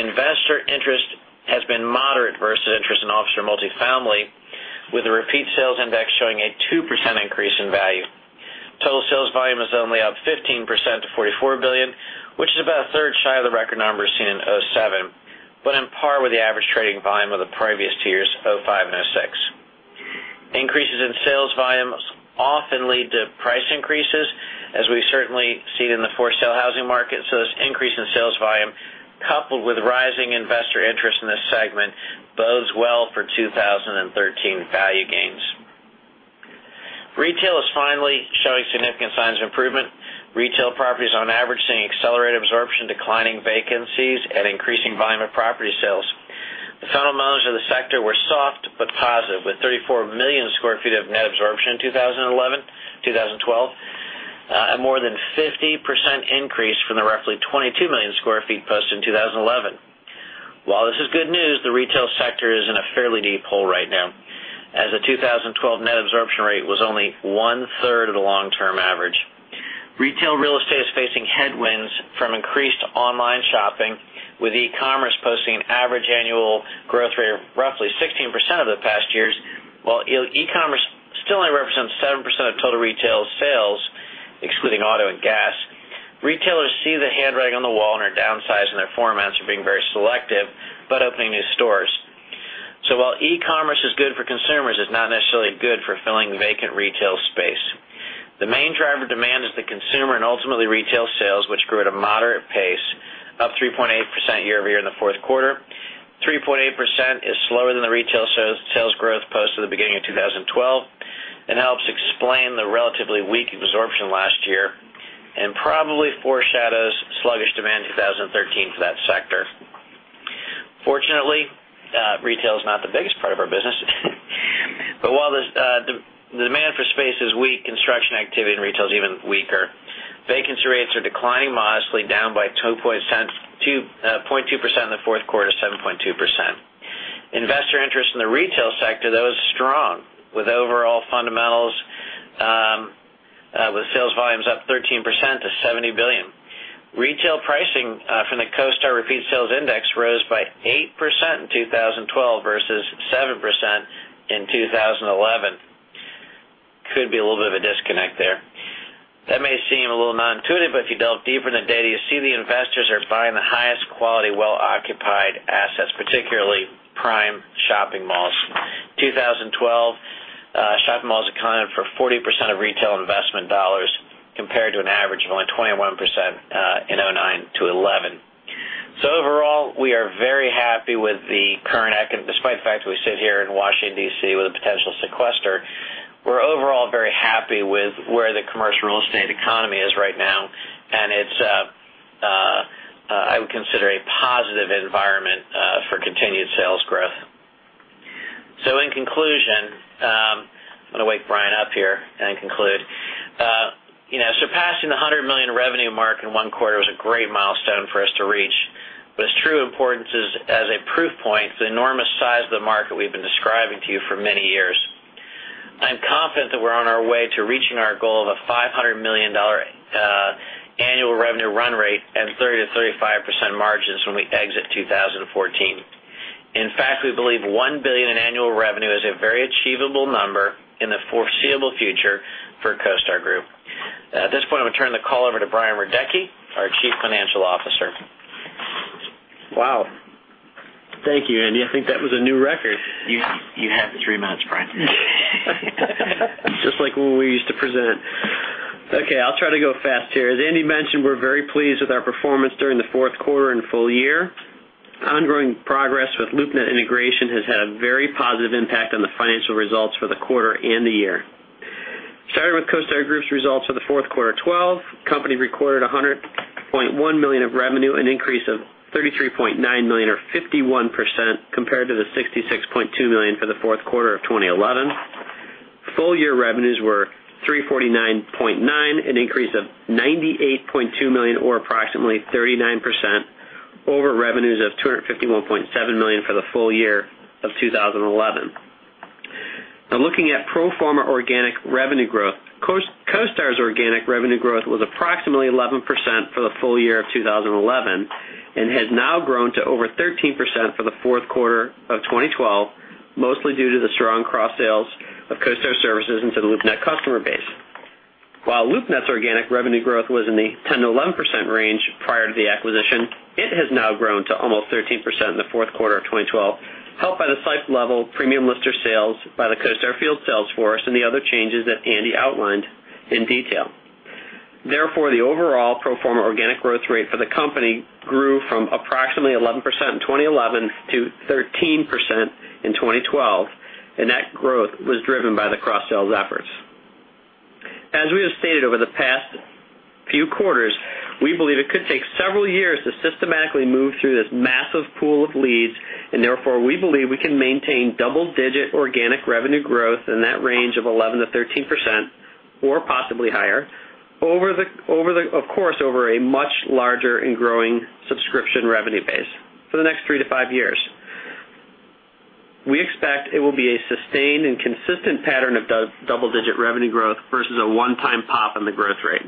Investor interest has been moderate versus interest in office or multifamily, with the repeat sales index showing a 2% increase in value. Total sales volume is only up 15% to $44 billion, which is about a third shy of the record numbers seen in 2007, but on par with the average trading volume of the previous years, 2005 and 2006. Increases in sales volumes often lead to price increases, as we certainly see it in the for-sale housing market. This increase in sales volume, coupled with rising investor interest in this segment, bodes well for 2013 value gains. Retail is finally showing significant signs of improvement. Retail properties on average, seeing accelerated absorption, declining vacancies, and increasing volume of property sales. The fundamentals of the sector were soft but positive, with 34 million sq ft of net absorption in 2012, a more than 50% increase from the roughly 22 million sq ft posted in 2011. While this is good news, the retail sector is in a fairly deep hole right now, as the 2012 net absorption rate was only one-third of the long-term average. Retail real estate is facing headwinds from increased online shopping, with e-commerce posting an average annual growth rate of roughly 16% over the past years. While e-commerce still only represents 7% of total retail sales, excluding auto and gas, retailers see the handwriting on the wall and are downsizing their formats or being very selective, but opening new stores. While e-commerce is good for consumers, it's not necessarily good for filling vacant retail space. The main driver of demand is the consumer and ultimately retail sales, which grew at a moderate pace, up 3.8% year-over-year in the fourth quarter. 3.8% is slower than the retail sales growth posted at the beginning of 2012, helps explain the relatively weak absorption last year and probably foreshadows sluggish demand in 2013 for that sector. Fortunately, retail is not the biggest part of our business. While the demand for space is weak, construction activity and retail is even weaker. Vacancy rates are declining modestly, down by 0.2% in the fourth quarter to 7.2%. Investor interest in the retail sector, though, is strong, with overall fundamentals, with sales volumes up 13% to $70 billion. Retail pricing from the CoStar Repeat Sales Index rose by 8% in 2012 versus 7% in 2011. Could be a little bit of a disconnect there. That may seem a little non-intuitive, but if you delve deeper in the data, you see the investors are buying the highest quality, well-occupied assets, particularly prime shopping malls. 2012, shopping malls accounted for 40% of retail investment dollars compared to an average of only 21% in 2009 to 2011. Overall, we are very happy. Despite the fact that we sit here in Washington, D.C. with a potential sequester, we're overall very happy with where the commercial real estate economy is right now. It's, I would consider, a positive environment for continued sales growth. In conclusion, I'm going to wake Brian up here and conclude. Surpassing the $100 million revenue mark in one quarter was a great milestone for us to reach, its true importance is as a proof point, the enormous size of the market we've been describing to you for many years. I'm confident that we're on our way to reaching our goal of a $500 million annual revenue run rate and 30%-35% margins when we exit 2014. In fact, we believe $1 billion in annual revenue is a very achievable number in the foreseeable future for CoStar Group. At this point, I'm going to turn the call over to Brian Radecki, our Chief Financial Officer. Wow. Thank you, Andy. I think that was a new record. You have three minutes, Brian. Just like when we used to present. I'll try to go fast here. As Andy mentioned, we're very pleased with our performance during the fourth quarter and full year. Ongoing progress with LoopNet integration has had a very positive impact on the financial results for the quarter and the year. Starting with CoStar Group's results for the fourth quarter 2012, the company recorded $100.1 million of revenue, an increase of $33.9 million or 51% compared to the $66.2 million for the fourth quarter of 2011. Full-year revenues were $349.9 million, an increase of $98.2 million or approximately 39% over revenues of $251.7 million for the full year of 2011. Looking at pro forma organic revenue growth, CoStar's organic revenue growth was approximately 11% for the full year of 2011, and has now grown to over 13% for the fourth quarter of 2012, mostly due to the strong cross-sales of CoStar services into the LoopNet customer base. While LoopNet's organic revenue growth was in the 10%-11% range prior to the acquisition, it has now grown to almost 13% in the fourth quarter of 2012, helped by the site-level Premium Lister sales by the CoStar field sales force and the other changes that Andy outlined in detail. The overall pro forma organic growth rate for the company grew from approximately 11% in 2011 to 13% in 2012, and that growth was driven by the cross-sales efforts. As we have stated over the past few quarters, we believe it could take several years to systematically move through this massive pool of leads, and therefore, we believe we can maintain double-digit organic revenue growth in that range of 11%-13%, or possibly higher, of course, over a much larger and growing subscription revenue base for the next three to five years. We expect it will be a sustained and consistent pattern of double-digit revenue growth versus a one-time pop in the growth rate.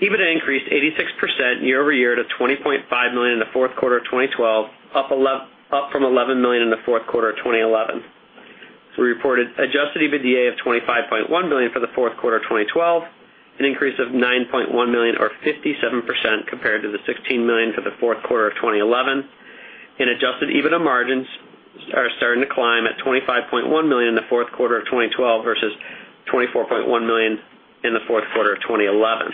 EBITDA increased 86% year-over-year to $20.5 million in the fourth quarter of 2012, up from $11 million in the fourth quarter of 2011. We reported adjusted EBITDA of $25.1 million for the fourth quarter of 2012, an increase of $9.1 million or 57% compared to the $16 million for the fourth quarter of 2011. Adjusted EBITDA margins are starting to climb at $25.1 million in the fourth quarter of 2012 versus $24.1 million in the fourth quarter of 2011.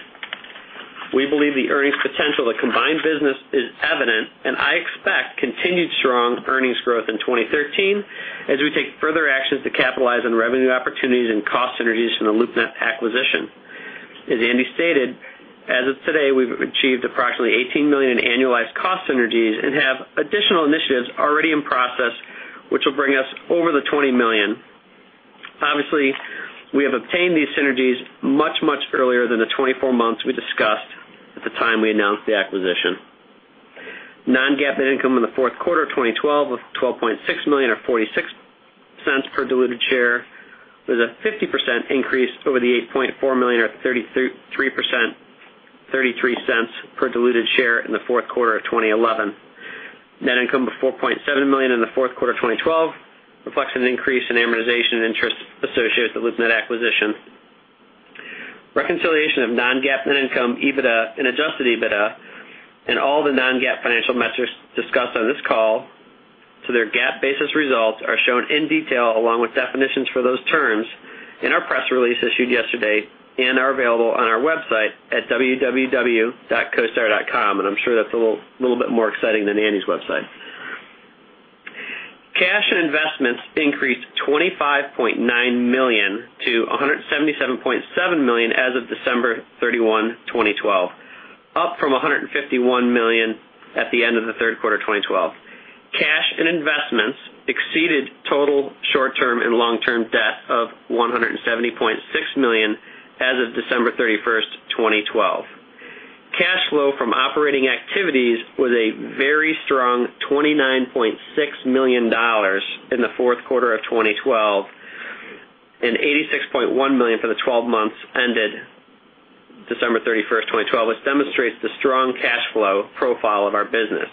We believe the earnings potential of the combined business is evident. I expect continued strong earnings growth in 2013 as we take further actions to capitalize on revenue opportunities and cost synergies from the LoopNet acquisition. As Andy stated, as of today, we've achieved approximately $18 million in annualized cost synergies and have additional initiatives already in process, which will bring us over the $20 million. Obviously, we have obtained these synergies much, much earlier than the 24 months we discussed at the time we announced the acquisition. Non-GAAP net income in the fourth quarter of 2012 was $12.6 million, or $0.46 per diluted share, with a 50% increase over the $8.4 million or $0.33 per diluted share in the fourth quarter of 2011. Net income of $4.7 million in the fourth quarter of 2012 reflects an increase in amortization and interest associated with net acquisition. Reconciliation of non-GAAP net income, EBITDA, and adjusted EBITDA, and all the non-GAAP financial measures discussed on this call to their GAAP-basis results are shown in detail, along with definitions for those terms, in our press release issued yesterday and are available on our website at www.costar.com. I'm sure that's a little bit more exciting than Andy's website. Cash and investments increased $25.9 million to $177.7 million as of December 31, 2012, up from $151 million at the end of the third quarter of 2012. Cash and investments exceeded total short-term and long-term debt of $170.6 million as of December 31, 2012. Cash flow from operating activities was a very strong $29.6 million in the fourth quarter of 2012, and $86.1 million for the 12 months ended December 31, 2012, which demonstrates the strong cash flow profile of our business.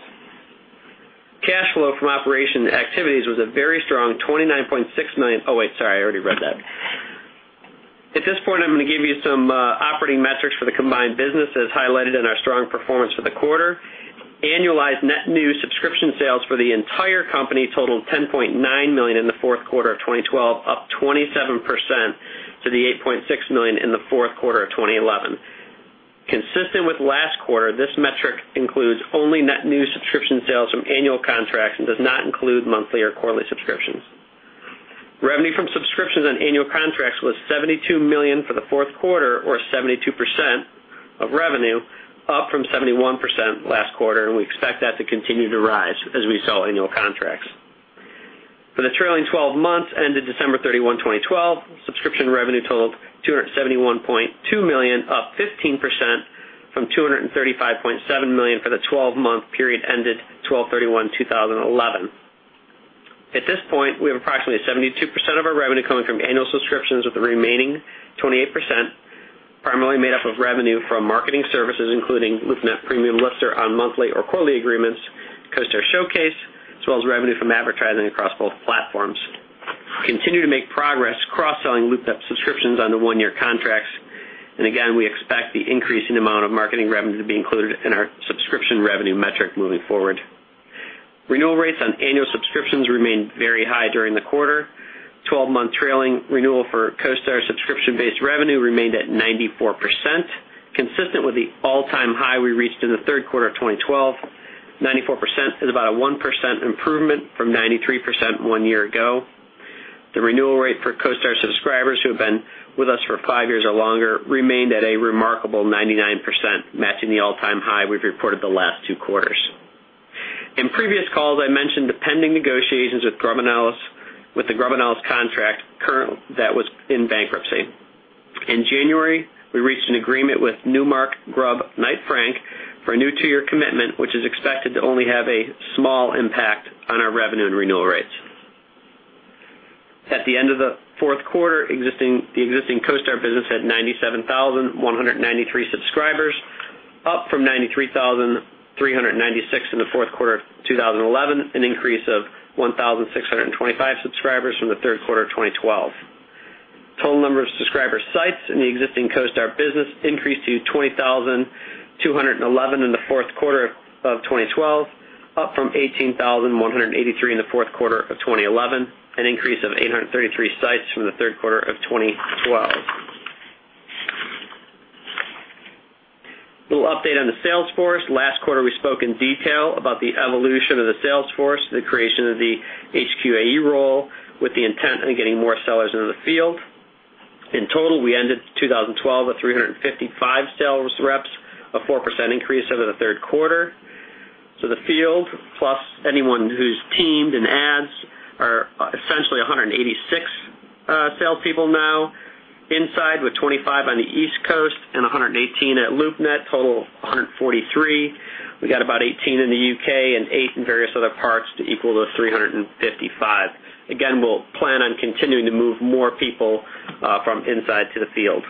Cash flow from operating activities was a very strong $29.6 million-- oh, wait, sorry, I already read that. At this point, I'm going to give you some operating metrics for the combined business as highlighted in our strong performance for the quarter. Annualized net new subscription sales for the entire company totaled $10.9 million in the fourth quarter of 2012, up 27% to the $8.6 million in the fourth quarter of 2011. Consistent with last quarter, this metric includes only net new subscription sales from annual contracts and does not include monthly or quarterly subscriptions. Revenue from subscriptions on annual contracts was $72 million for the fourth quarter or 72% of revenue, up from 71% last quarter, and we expect that to continue to rise as we sell annual contracts. For the trailing 12 months ended December 31, 2012, subscription revenue totaled $271.2 million, up 15% from $235.7 million for the 12-month period ended 12/31/2011. At this point, we have approximately 72% of our revenue coming from annual subscriptions, with the remaining 28% primarily made up of revenue from marketing services, including LoopNet Premium Lister on monthly or quarterly agreements, CoStar Showcase, as well as revenue from advertising across both platforms. Continue to make progress cross-selling LoopNet subscriptions on the one-year contracts, and again, we expect the increasing amount of marketing revenue to be included in our subscription revenue metric moving forward. Renewal rates on annual subscriptions remained very high during the quarter. Twelve-month trailing renewal for CoStar subscription-based revenue remained at 94%, consistent with the all-time high we reached in the third quarter of 2012. 94% is about a 1% improvement from 93% one year ago. The renewal rate for CoStar subscribers who have been with us for five years or longer remained at a remarkable 99%, matching the all-time high we've reported the last two quarters. In previous calls, I mentioned the pending negotiations with the Grubb & Ellis contract that was in bankruptcy. In January, we reached an agreement with Newmark Grubb Knight Frank for a new two-year commitment, which is expected to only have a small impact on our revenue and renewal rates. At the end of the fourth quarter, the existing CoStar business had 97,193 subscribers, up from 93,396 in the fourth quarter of 2011, an increase of 1,625 subscribers from the third quarter of 2012. Total number of subscriber sites in the existing CoStar business increased to 20,211 in the fourth quarter of 2012, up from 18,183 in the fourth quarter of 2011, an increase of 833 sites from the third quarter of 2012. A little update on the sales force. Last quarter, we spoke in detail about the evolution of the sales force, the creation of the HQAE role with the intent on getting more sellers into the field. In total, we ended 2012 with 355 sales reps, a 4% increase over the third quarter. The field, plus anyone who's teamed in ads, are essentially 186 salespeople now. Inside with 25 on the East Coast and 118 at LoopNet, total of 143. We got about 18 in the U.K. and eight in various other parts to equal those 355. Again, we'll plan on continuing to move more people from inside to the field.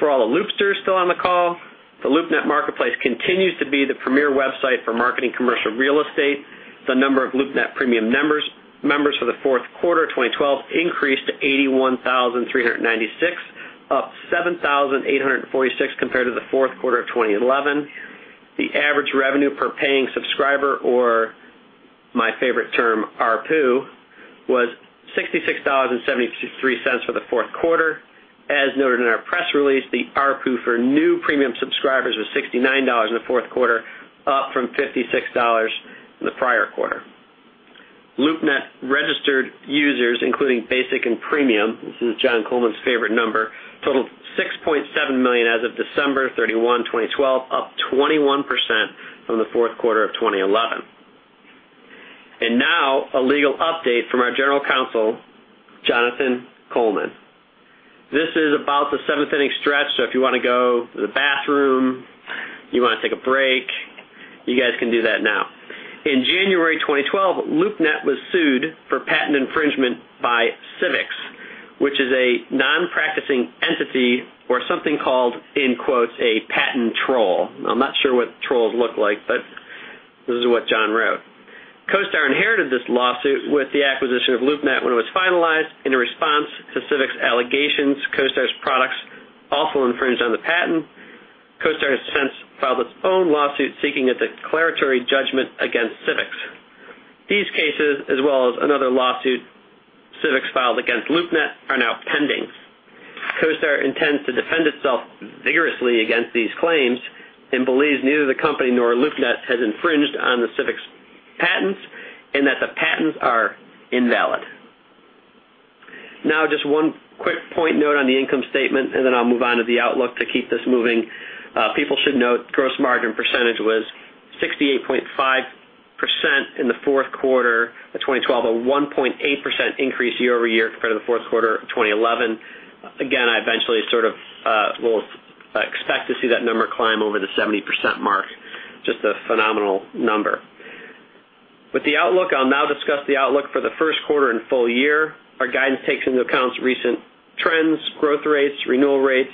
For all the Loopsters still on the call, the LoopNet marketplace continues to be the premier website for marketing commercial real estate. The number of LoopNet premium members for the fourth quarter 2012 increased to 81,396, up 7,846 compared to the fourth quarter of 2011. The average revenue per paying subscriber, or my favorite term, ARPU, was $66.73 for the fourth quarter. As noted in our press release, the ARPU for new premium subscribers was $69 in the fourth quarter, up from $56 in the prior quarter. LoopNet registered users, including basic and premium, this is John Coleman's favorite number, totaled 6.7 million as of December 31, 2012, up 21% from the fourth quarter of 2011. And now a legal update from our general counsel, Jonathan Coleman. This is about the seventh-inning stretch, so if you want to go to the bathroom, you want to take a break, you guys can do that now. In January 2012, LoopNet was sued for patent infringement by Civix, which is a non-practicing entity or something called, in quotes, a patent troll. I'm not sure what trolls look like, but this is what John wrote. CoStar inherited this lawsuit with the acquisition of LoopNet when it was finalized. In a response to Civix allegations, CoStar's products also infringed on the patent. CoStar has since filed its own lawsuit seeking a declaratory judgment against Civix. These cases, as well as another lawsuit Civix filed against LoopNet, are now pending. CoStar intends to defend itself vigorously against these claims and believes neither the company nor LoopNet has infringed on the Civix patents and that the patents are invalid. Now, just one quick point note on the income statement, and then I'll move on to the outlook to keep this moving. People should note gross margin percentage was 68.5% in the fourth quarter of 2012, a 1.8% increase year-over-year compared to the fourth quarter of 2011. Again, I eventually sort of will expect to see that number climb over the 70% mark. Just a phenomenal number. With the outlook, I'll now discuss the outlook for the first quarter and full year. Our guidance takes into account recent trends, growth rates, renewal rates,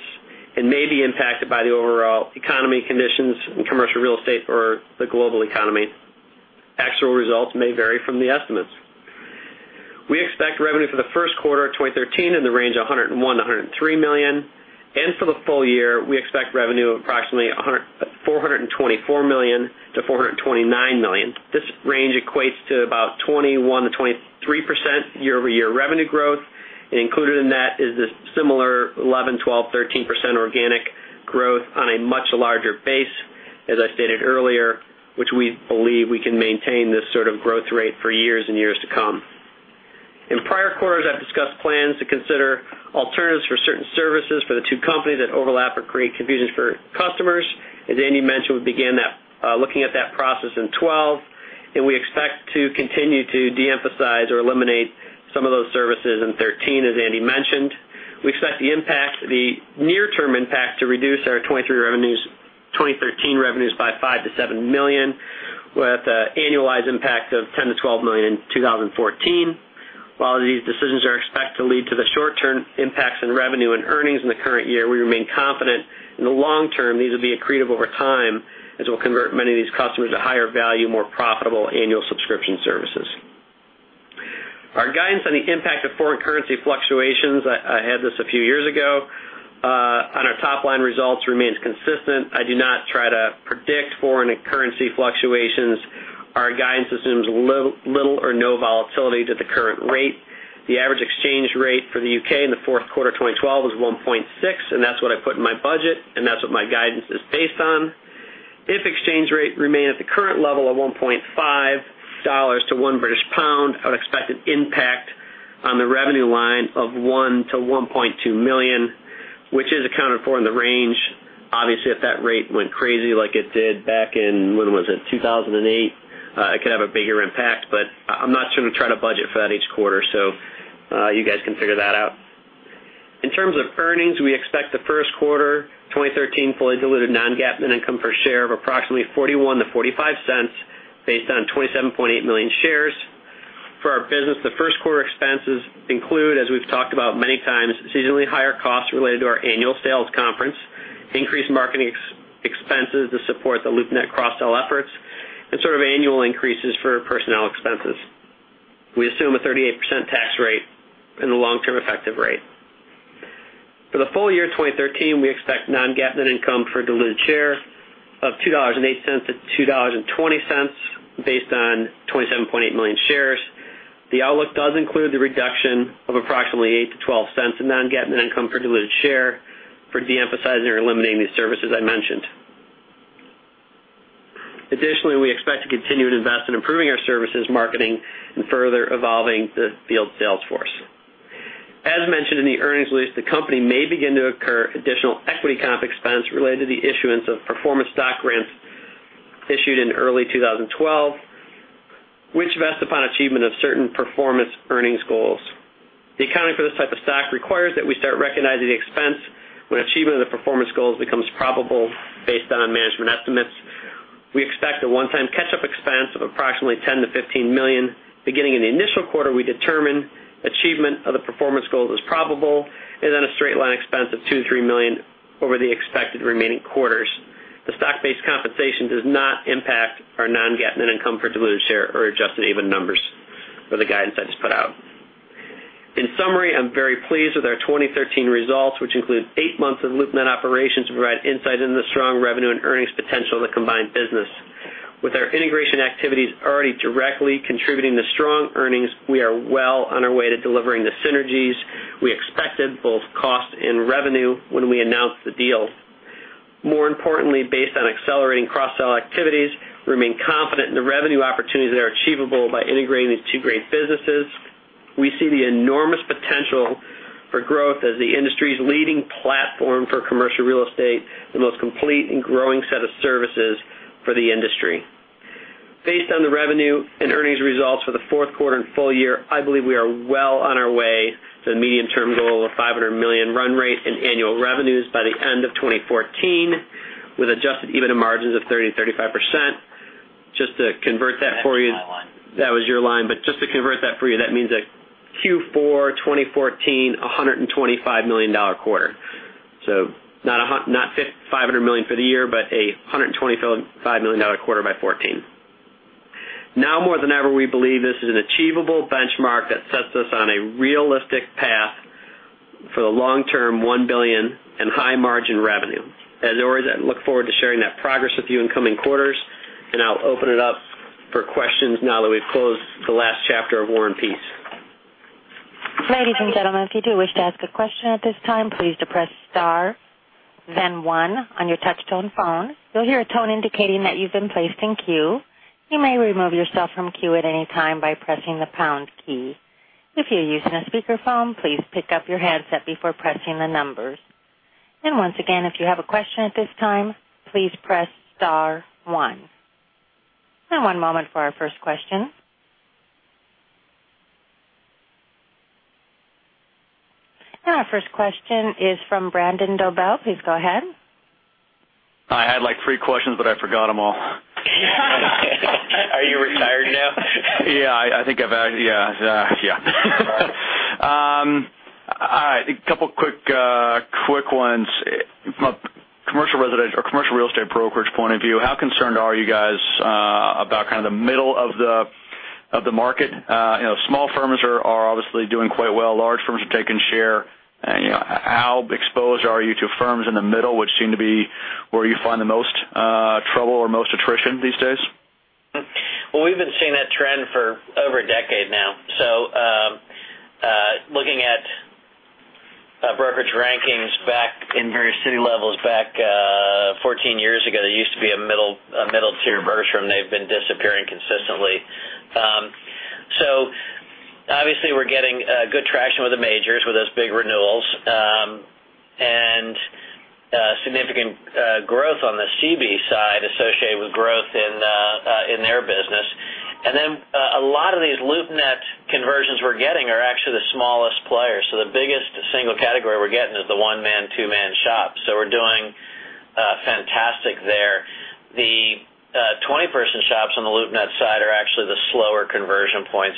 and may be impacted by the overall economy conditions in commercial real estate or the global economy. Actual results may vary from the estimates. We expect revenue for the first quarter of 2013 in the range of $101 million-$103 million, and for the full year, we expect revenue of approximately $424 million-$429 million. This range equates to about 21%-23% year-over-year revenue growth, and included in that is this similar 11%, 12%, 13% organic growth on a much larger base, as I stated earlier, which we believe we can maintain this sort of growth rate for years and years to come. In prior quarters, I've discussed plans to consider alternatives for certain services for the two companies that overlap or create confusion for customers. As Andy mentioned, we began looking at that process in 2012, and we expect to continue to de-emphasize or eliminate some of those services in 2013, as Andy mentioned. We expect the near-term impact to reduce our 2013 revenues by $5 million-$7 million, with an annualized impact of $10 million-$12 million in 2014. While these decisions are expected to lead to the short-term impacts in revenue and earnings in the current year, we remain confident in the long term these will be accretive over time as we'll convert many of these customers to higher value, more profitable annual subscription services. Our guidance on the impact of foreign currency fluctuations, I had this a few years ago, on our top-line results remains consistent. I do not try to predict foreign currency fluctuations. Our guidance assumes little or no volatility to the current rate. The average exchange rate for the U.K. in the fourth quarter 2012 was 1.6, and that's what I put in my budget, and that's what my guidance is based on. If exchange rate remain at the current level of $1.5 to 1 British pound, I would expect an impact on the revenue line of $1 million-$1.2 million, which is accounted for in the range. Obviously, if that rate went crazy like it did back in, when was it? 2008, it could have a bigger impact, but I'm not sort of trying to budget for that each quarter, so you guys can figure that out. In terms of earnings, we expect the first quarter 2013 fully diluted non-GAAP net income per share of approximately $0.41-$0.55 based on 27.8 million shares. For our business, the first-quarter expenses include, as we've talked about many times, seasonally higher costs related to our annual sales conference, increased marketing expenses to support the LoopNet cross-sell efforts, and sort of annual increases for personnel expenses. We assume a 38% tax rate and a long-term effective rate. For the full year 2013, we expect non-GAAP net income for diluted share of $2.08-$2.20 based on 27.8 million shares. The outlook does include the reduction of approximately $0.08-$0.12 in non-GAAP net income for diluted share for de-emphasizing or eliminating these services I mentioned. Additionally, we expect to continue to invest in improving our services marketing and further evolving the field sales force. As mentioned in the earnings release, the company may begin to incur additional equity comp expense related to the issuance of performance stock grants issued in early 2012 which vest upon achievement of certain performance earnings goals. The accounting for this type of stock requires that we start recognizing the expense when achievement of the performance goals becomes probable based on management estimates. We expect a one-time catch-up expense of approximately $10 million-$15 million beginning in the initial quarter, we determine achievement of the performance goals is probable, and then a straight-line expense of $2 million-$3 million over the expected remaining quarters. The stock-based compensation does not impact our non-GAAP net income per diluted share or adjusted EBITDA numbers for the guidance that's put out. In summary, I'm very pleased with our 2013 results, which include eight months of LoopNet operations, provide insight into the strong revenue and earnings potential of the combined business. With our integration activities already directly contributing to strong earnings, we are well on our way to delivering the synergies we expected, both cost and revenue, when we announced the deal. More importantly, based on accelerating cross-sell activities, we remain confident in the revenue opportunities that are achievable by integrating these two great businesses. We see the enormous potential for growth as the industry's leading platform for commercial real estate, the most complete and growing set of services for the industry. Based on the revenue and earnings results for the fourth quarter and full year, I believe we are well on our way to the medium-term goal of $500 million run rate in annual revenues by the end of 2014, with adjusted EBITDA margins of 30%-35%. Just to convert that for you- That's my line. Just to convert that for you, that means a Q4 2014, $125 million quarter. So not $500 million for the year, but $125 million quarter by 2014. Now more than ever, we believe this is an achievable benchmark that sets us on a realistic path for the long term $1 billion in high margin revenue. As always, I look forward to sharing that progress with you in coming quarters, and I'll open it up for questions now that we've closed the last chapter of War and Peace. Ladies and gentlemen, if you do wish to ask a question at this time, please depress star one on your touch-tone phone. You'll hear a tone indicating that you've been placed in queue. You may remove yourself from queue at any time by pressing the pound key. If you're using a speakerphone, please pick up your handset before pressing the numbers. Once again, if you have a question at this time, please press star one. One moment for our first question. Our first question is from Brandon Dobell. Please go ahead. I had like three questions, I forgot them all. Are you retired now? Yeah. A couple quick ones. From a commercial real estate brokerage point of view, how concerned are you guys about kind of the middle of the market? Small firms are obviously doing quite well. Large firms are taking share. How exposed are you to firms in the middle, which seem to be where you find the most trouble or most attrition these days? We've been seeing that trend for over a decade now. Looking at brokerage rankings back in various city levels back 14 years ago, there used to be a middle tier brokerage firm. They've been disappearing consistently. We're getting good traction with the majors, with those big renewals, and significant growth on the CB side associated with growth in their business. A lot of these LoopNet conversions we're getting are actually the smallest players. The biggest single category we're getting is the one-man, two-man shop. We're doing fantastic there. The 20-person shops on the LoopNet side are actually the slower conversion points.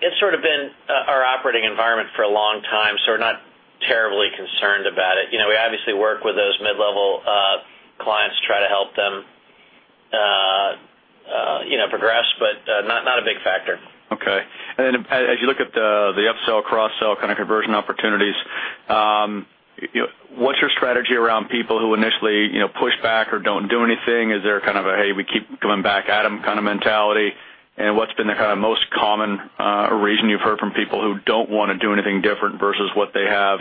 It's sort of been our operating environment for a long time, so we're not terribly concerned about it. We obviously work with those mid-level clients to try to help them progress, not a big factor. As you look at the upsell, cross-sell kind of conversion opportunities, what's your strategy around people who initially push back or don't do anything? Is there kind of a, hey, we keep coming back at them kind of mentality? What's been the kind of most common reason you've heard from people who don't want to do anything different versus what they have,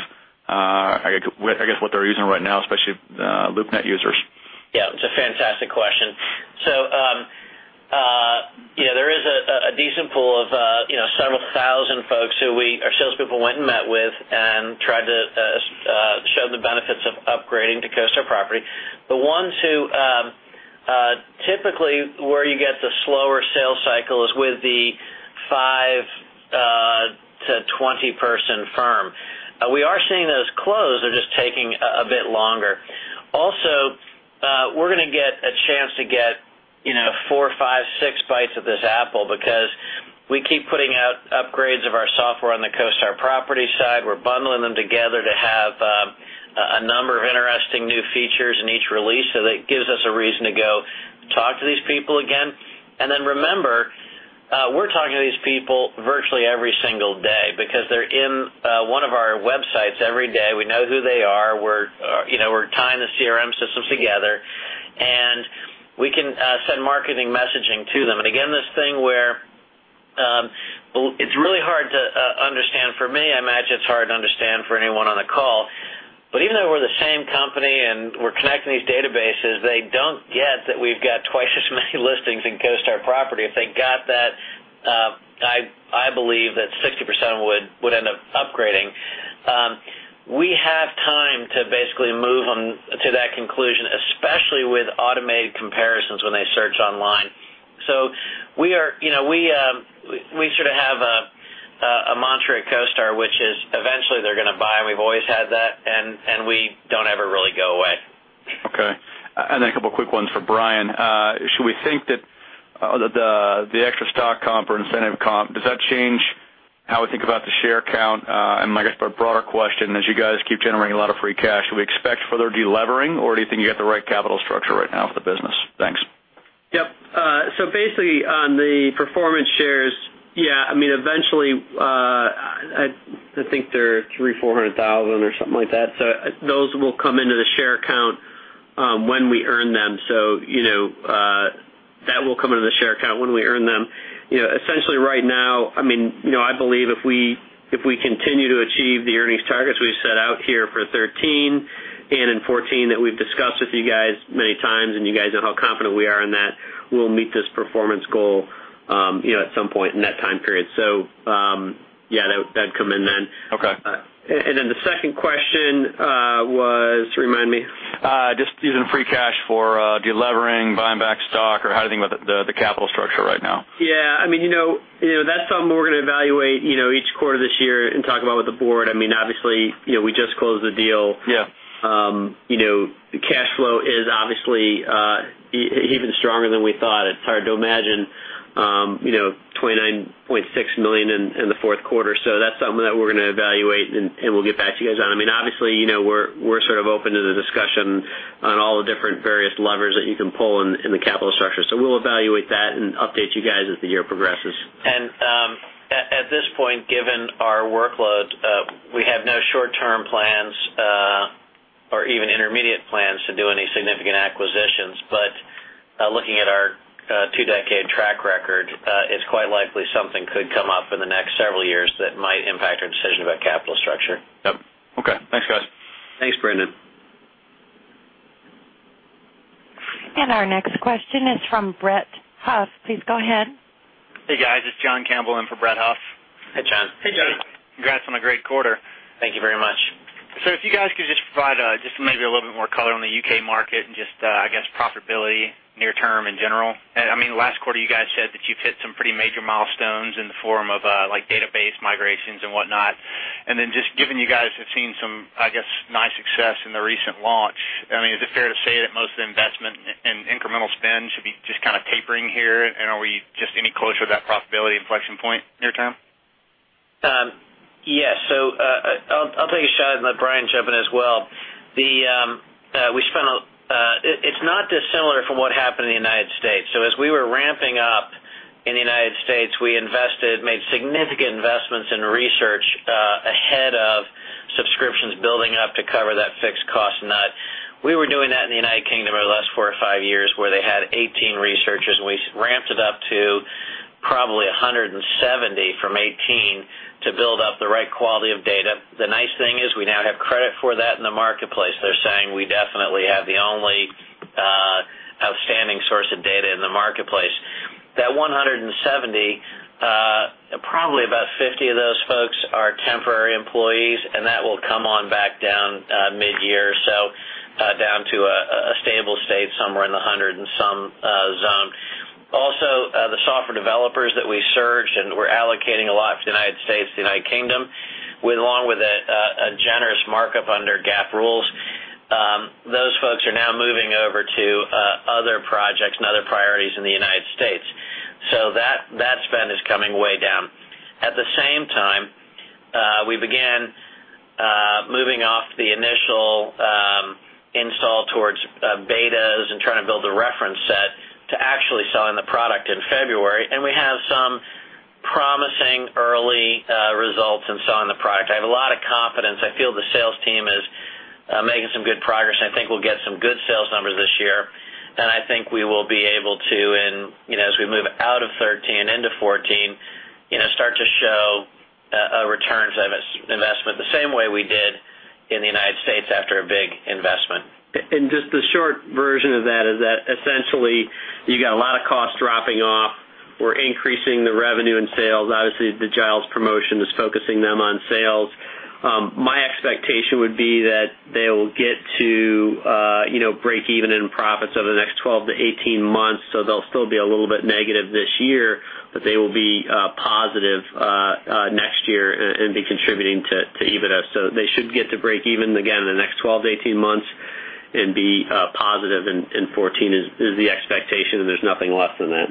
I guess, what they're using right now, especially LoopNet users? It's a fantastic question. There is a decent pool of several thousand folks who our salespeople went and met with and tried to show the benefits of upgrading to CoStar Property. Typically, where you get the slower sales cycle is with the 5 to 20-person firm. We are seeing those close, they're just taking a bit longer. Also, we're going to get a chance to get four, five, six bites of this apple because we keep putting out upgrades of our software on the CoStar Property side. We're bundling them together to have a number of interesting new features in each release, that gives us a reason to go talk to these people again. Remember, we're talking to these people virtually every single day because they're in one of our websites every day. We know who they are. We're tying the CRM systems together, we can send marketing messaging to them. This thing where it's really hard to understand for me, I imagine it's hard to understand for anyone on the call. Even though we're the same company and we're connecting these databases, they don't get that we've got twice as many listings in CoStar Property. If they got that Especially with automated comparisons when they search online. We sort of have a mantra at CoStar, which is eventually they're going to buy, and we've always had that, and we don't ever really go away. Okay. A couple quick ones for Brian. Should we think that the extra stock comp or incentive comp, does that change how we think about the share count? I guess my broader question, as you guys keep generating a lot of free cash, should we expect further de-levering, or do you think you got the right capital structure right now for the business? Thanks. Yep. Basically on the performance shares, yeah. Eventually, I think there are 300,000, 400,000 or something like that. Those will come into the share count when we earn them. That will come into the share count when we earn them. Essentially right now, I believe if we continue to achieve the earnings targets we've set out here for 2013 and in 2014 that we've discussed with you guys many times, and you guys know how confident we are in that, we'll meet this performance goal at some point in that time period. Yeah, that'd come in then. Okay. The second question was, remind me. Just using free cash for de-levering, buying back stock, or how do you think about the capital structure right now? Yeah. That's something we're going to evaluate each quarter this year and talk about with the Board. We just closed the deal. Yeah. The cash flow is obviously even stronger than we thought. It's hard to imagine $29.6 million in the fourth quarter. That's something that we're going to evaluate, and we'll get back to you guys on. We're sort of open to the discussion on all the different various levers that you can pull in the capital structure. We'll evaluate that and update you guys as the year progresses. At this point, given our workloads, we have no short-term plans or even intermediate plans to do any significant acquisitions. Looking at our two-decade track record, it's quite likely something could come up in the next several years that might impact our decision about capital structure. Yep. Okay. Thanks, guys. Thanks, Brendan. Our next question is from Brett Huff. Please go ahead. Hey, guys. It's John Campbell in for Brett Huff. Hey, John. Hey, John. Congrats on a great quarter. Thank you very much. If you guys could just provide just maybe a little bit more color on the U.K. market and just, I guess, profitability near term in general. Last quarter, you guys said that you've hit some pretty major milestones in the form of database migrations and whatnot. Just given you guys have seen some, I guess, nice success in the recent launch, is it fair to say that most of the investment and incremental spend should be just kind of tapering here? Are we just any closer to that profitability inflection point near term? Yes. I'll take a shot and let Brian jump in as well. It's not dissimilar from what happened in the United States. As we were ramping up in the United States, we made significant investments in research ahead of subscriptions building up to cover that fixed cost nut. We were doing that in the U.K. over the last four or five years, where they had 18 researchers, and we ramped it up to probably 170 from 18 to build up the right quality of data. The nice thing is we now have credit for that in the marketplace. They're saying we definitely have the only outstanding source of data in the marketplace. That 170, probably about 50 of those folks are temporary employees, and that will come on back down mid-year, down to a stable state somewhere in the 100 and some zone. Also, the software developers that we surged and were allocating a lot to the United States, the U.K., along with a generous markup under GAAP rules. Those folks are now moving over to other projects and other priorities in the United States. That spend is coming way down. At the same time, we began moving off the initial install towards betas and trying to build a reference set to actually selling the product in February. We have some promising early results in selling the product. I have a lot of confidence. I feel the sales team is making some good progress, and I think we'll get some good sales numbers this year. I think we will be able to, as we move out of 2013 into 2014, start to show a ROI the same way we did in the United States after a big investment. Just the short version of that is that essentially you got a lot of costs dropping off. We're increasing the revenue in sales. Obviously, the Giles promotion is focusing them on sales. My expectation would be that they will get to break even in profits over the next 12 to 18 months. They'll still be a little bit negative this year, but they will be positive next year and be contributing to EBITDA. They should get to break even again in the next 12 to 18 months and be positive in 2014 is the expectation, there's nothing less than that.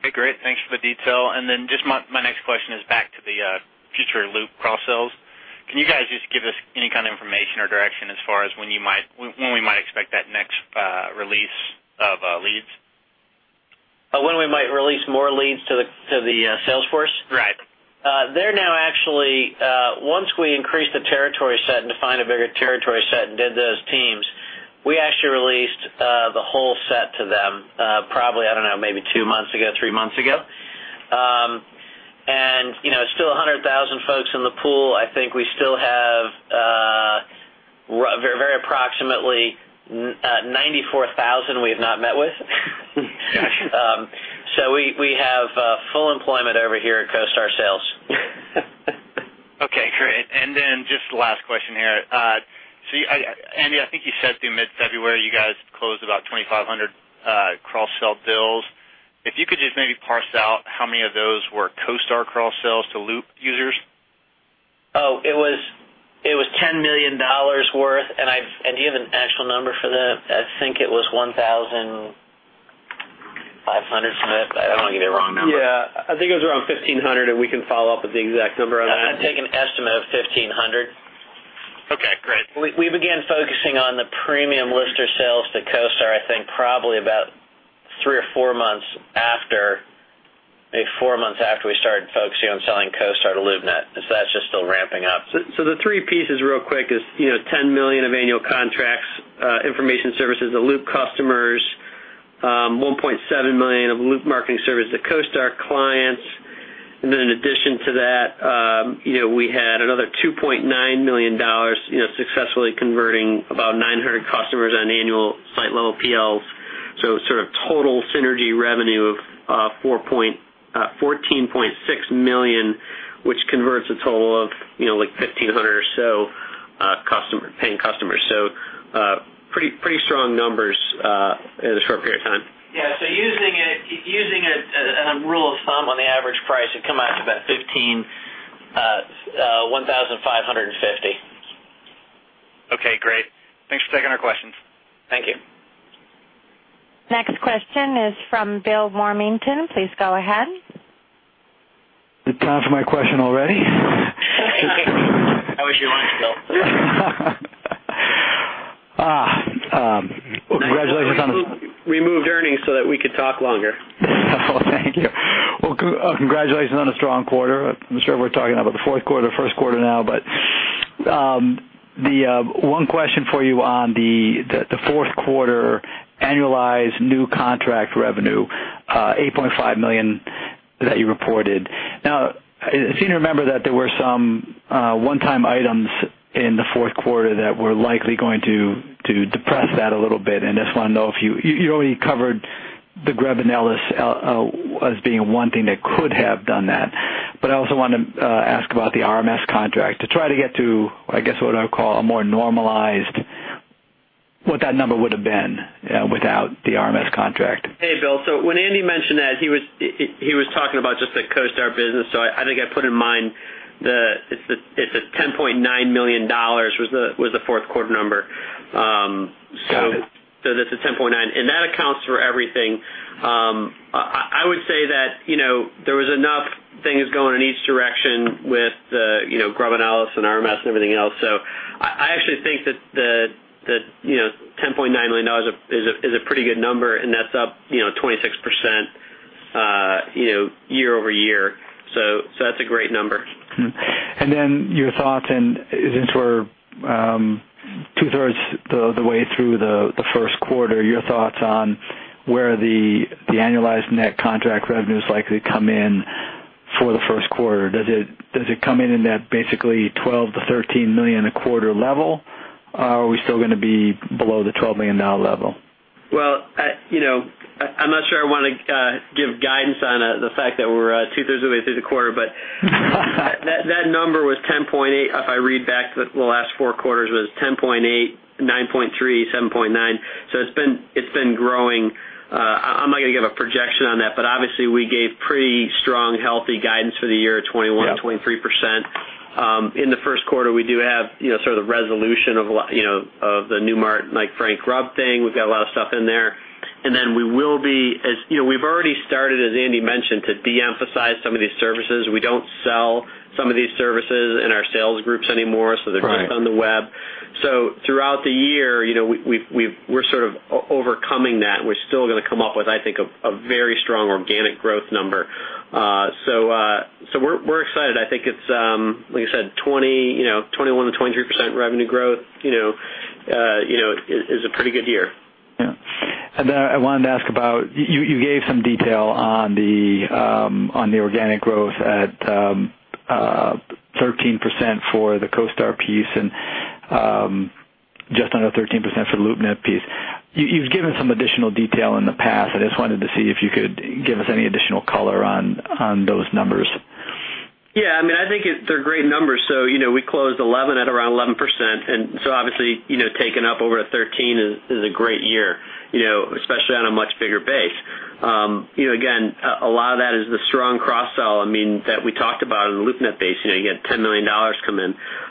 Okay, great. Thanks for the detail. Just my next question is back to the future Loop cross-sells. Can you guys just give us any kind of information or direction as far as when we might expect that next release of leads? When we might release more leads to the sales force? Right. Once we increased the territory set and defined a bigger territory set and did those teams, we actually released the whole set to them, probably, I don't know, maybe two months ago, three months ago. It's still 100,000 folks in the pool. I think we still have very approximately 94,000 we have not met with. Just last question here. Andy, I think you said through mid-February, you guys closed about 2,500 cross-sell bills. If you could just maybe parse out how many of those were CoStar cross-sells to Loop users? It was $10 million worth, and do you have an actual number for that? I think it was 1,500 from it, but I don't want to give you a wrong number. I think it was around 1,500, and we can follow up with the exact number on that. I'd take an estimate of 1,500. Okay, great. We began focusing on the Premium Lister sales to CoStar, I think probably about three or four months after we started focusing on selling CoStar to LoopNet. That's just still ramping up. The three pieces real quick is $10 million of annual contracts, information services to Loop customers, $1.7 million of Loop marketing services to CoStar clients. In addition to that, we had another $2.9 million successfully converting about 900 customers on annual site-level PLs. Sort of total synergy revenue of $14.6 million, which converts a total of like 1,500 or so paying customers. Pretty strong numbers in a short period of time. Using a rule of thumb on the average price, it come out to about $1,550. Okay, great. Thanks for taking our questions. Thank you. Next question is from Bill Warmington. Please go ahead. Is it time for my question already? How was your lunch, Bill? Congratulations on the- Removed earnings so that we could talk longer. Oh, thank you. Well, congratulations on a strong quarter. I'm sure we're talking about the fourth quarter, first quarter now, but the one question for you on the fourth quarter annualized new contract revenue, $8.5 million that you reported. I seem to remember that there were some one-time items in the fourth quarter that were likely going to depress that a little bit, and I just want to know if You already covered the Grubb & Ellis as being one thing that could have done that, but I also want to ask about the RMS contract to try to get to, I guess, what I would call a more normalized, what that number would've been without the RMS contract. Hey, Bill. When Andy mentioned that, he was talking about just the CoStar business, I think I put in mind that the $10.9 million was the fourth quarter number. Got it. That's the $10.9, and that accounts for everything. I would say that there was enough things going in each direction with Grubb & Ellis and RMS and everything else. I actually think that $10.9 million is a pretty good number, and that's up 26% year-over-year. That's a great number. Your thoughts, and since we're two-thirds of the way through the first quarter, your thoughts on where the annualized net contract revenue is likely to come in for the first quarter? Does it come in in that basically $12 million-$13 million a quarter level? Are we still going to be below the $12 million level? Well, I am not sure I want to give guidance on the fact that we are two-thirds of the way through the quarter, that number was 10.8. If I read back to the last four quarters, was 10.8, 9.3, 7.9. It has been growing. I am not going to give a projection on that, but obviously we gave pretty strong, healthy guidance for the year at 21%-23%. In the first quarter, we do have sort of the resolution of the Newmark Grubb thing. We have got a lot of stuff in there. We have already started, as Andy mentioned, to de-emphasize some of these services. We do not sell some of these services in our sales groups anymore, so they are Right just on the web. Throughout the year, we are sort of overcoming that, and we are still going to come up with, I think, a very strong organic growth number. We are excited. I think it is like I said, 21%-23% revenue growth is a pretty good year. Yeah. I wanted to ask about, you gave some detail on the organic growth at 13% for the CoStar piece and just under 13% for the LoopNet piece. You have given some additional detail in the past. I just wanted to see if you could give us any additional color on those numbers. Yeah. I think they are great numbers. We closed 2011 at around 11%, and obviously, taking up over to 13 is a great year, especially on a much bigger base. Again, a lot of that is the strong cross-sell that we talked about on the LoopNet base. You had $10 million come in.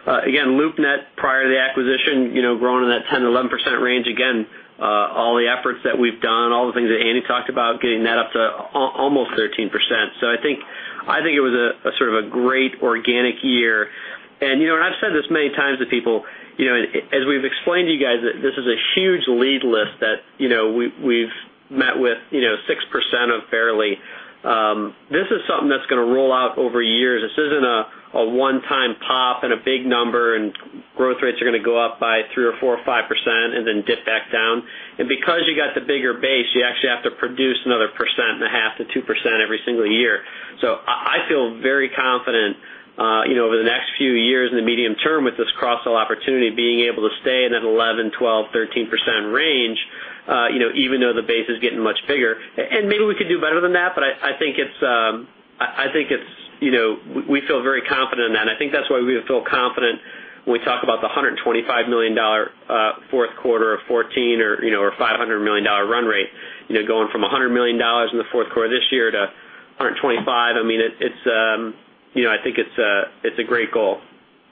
Again, LoopNet, prior to the acquisition, growing in that 10%-11% range. Again, all the efforts that we have done, all the things that Andy talked about, getting that up to almost 13%. I think it was a sort of a great organic year. I have said this many times to people, as we have explained to you guys, this is a huge lead list that we have met with 6% of fairly. This is something that is going to roll out over years. This isn't a one-time pop and a big number and growth rates are going to go up by three or four or five% and then dip back down. Because you got the bigger base, you actually have to produce another percent and a half to 2% every single year. I feel very confident, over the next few years in the medium term with this cross-sell opportunity, being able to stay in that 11%, 12%, 13% range even though the base is getting much bigger. Maybe we could do better than that, we feel very confident in that. I think that's why we feel confident when we talk about the $125 million fourth quarter of 2014 or $500 million run rate, going from $100 million in the fourth quarter of this year to $125 million. I think it's a great goal.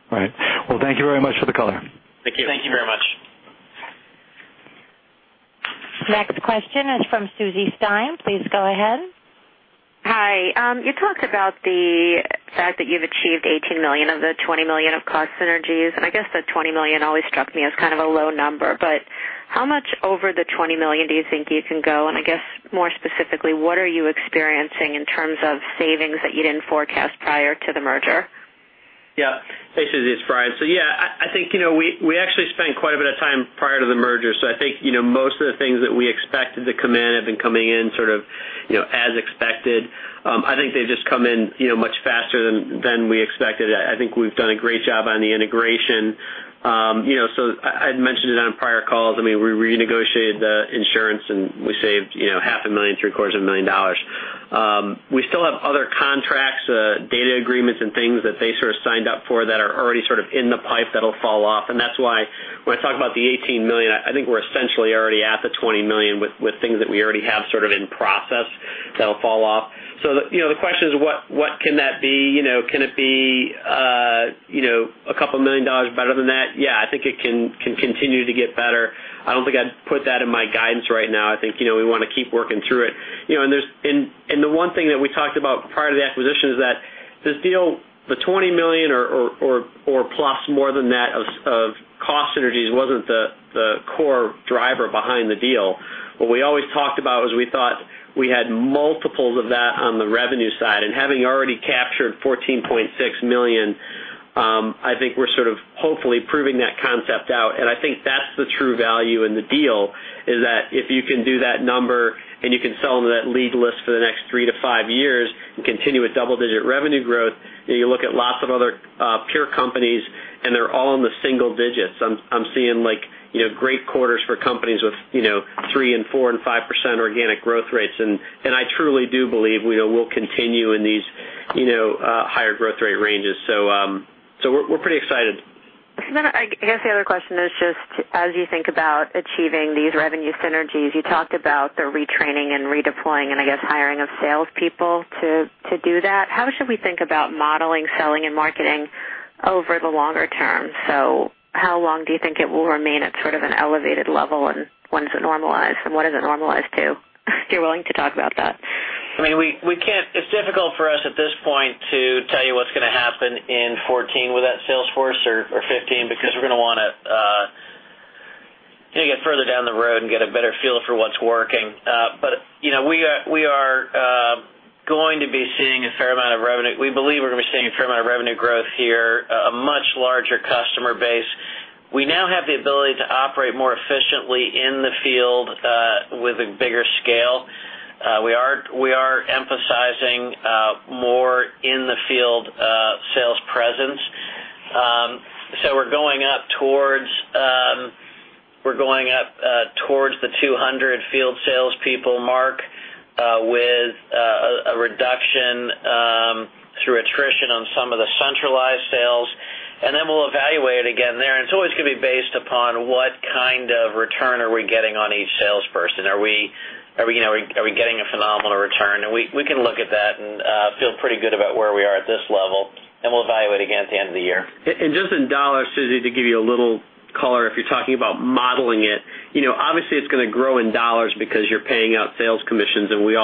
Right. Well, thank you very much for the color. Thank you. Thank you very much. Next question is from Susie Stein. Please go ahead. Hi. You talked about the fact that you've achieved $18 million of the $20 million of cost synergies. I guess that $20 million always struck me as kind of a low number. How much over the $20 million do you think you can go? I guess more specifically, what are you experiencing in terms of savings that you didn't forecast prior to the merger? Yeah. Thanks, Susie. It's Brian. I think we actually spent quite a bit of time prior to the merger. I think, most of the things that we expected to come in have been coming in sort of as expected. I think they've just come in much faster than we expected. I think we've done a great job on the integration. I had mentioned it on prior calls. We renegotiated the insurance, we saved half a million, three-quarters of a million dollars. We still have other contracts, data agreements, and things that they sort of signed up for that are already sort of in the pipe that'll fall off. That's why when I talk about the $18 million, I think we're essentially already at the $20 million with things that we already have sort of in process that'll fall off. The question is, what can that be? Can it be a couple million dollars better than that? Yeah, I think it can continue to get better. I don't think I'd put that in my guidance right now. I think we want to keep working through it. The one thing that we talked about prior to the acquisition is that this deal, the $20 million or plus more than that of cost synergies wasn't the core driver behind the deal. What we always talked about was we thought we had multiples of that on the revenue side. Having already captured $14.6 million, I think we're sort of hopefully proving that concept out. I think that's the true value in the deal, is that if you can do that number and you can sell them that lead list for the next three to five years and continue with double-digit revenue growth, you look at lots of other peer companies, and they're all in the single digits. I'm seeing great quarters for companies with 3%, 4%, and 5% organic growth rates. I truly do believe we'll continue in these higher growth rate ranges. We're pretty excited. I guess the other question is just as you think about achieving these revenue synergies, you talked about the retraining and redeploying and I guess hiring of salespeople to do that. How should we think about modeling, selling, and marketing over the longer term? How long do you think it will remain at sort of an elevated level, and when does it normalize, and what does it normalize to? If you're willing to talk about that. It's difficult for us at this point to tell you what's going to happen in 2014 with that sales force or 2015, because we're going to want to get further down the road and get a better feel for what's working. We believe we're going to be seeing a fair amount of revenue growth here, a much larger customer base. We now have the ability to operate more efficiently in the field with a bigger scale. We are emphasizing more in-the-field sales presence. We're going up towards the 200 field salespeople mark with a reduction through attrition on some of the centralized sales, and then we'll evaluate again there. It's always going to be based upon what kind of return are we getting on each salesperson. Are we getting a phenomenal return? We can look at that and feel pretty good about where we are at this level, and we'll evaluate again at the end of the year. Just in dollars, Susie, to give you a little color, if you're talking about modeling it. Obviously, it's going to grow in dollars because you're paying out sales commissions. I would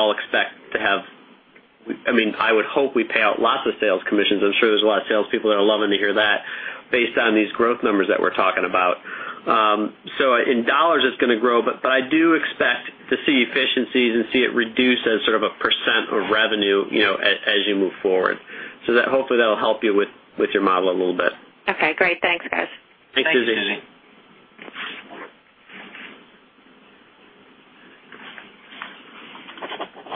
hope we pay out lots of sales commissions. I'm sure there's a lot of salespeople that are loving to hear that based on these growth numbers that we're talking about. In dollars, it's going to grow, but I do expect to see efficiencies and see it reduce as sort of a % of revenue as you move forward. Hopefully, that'll help you with your model a little bit. Okay, great. Thanks, guys. Thanks, Susie. Thanks, Susie.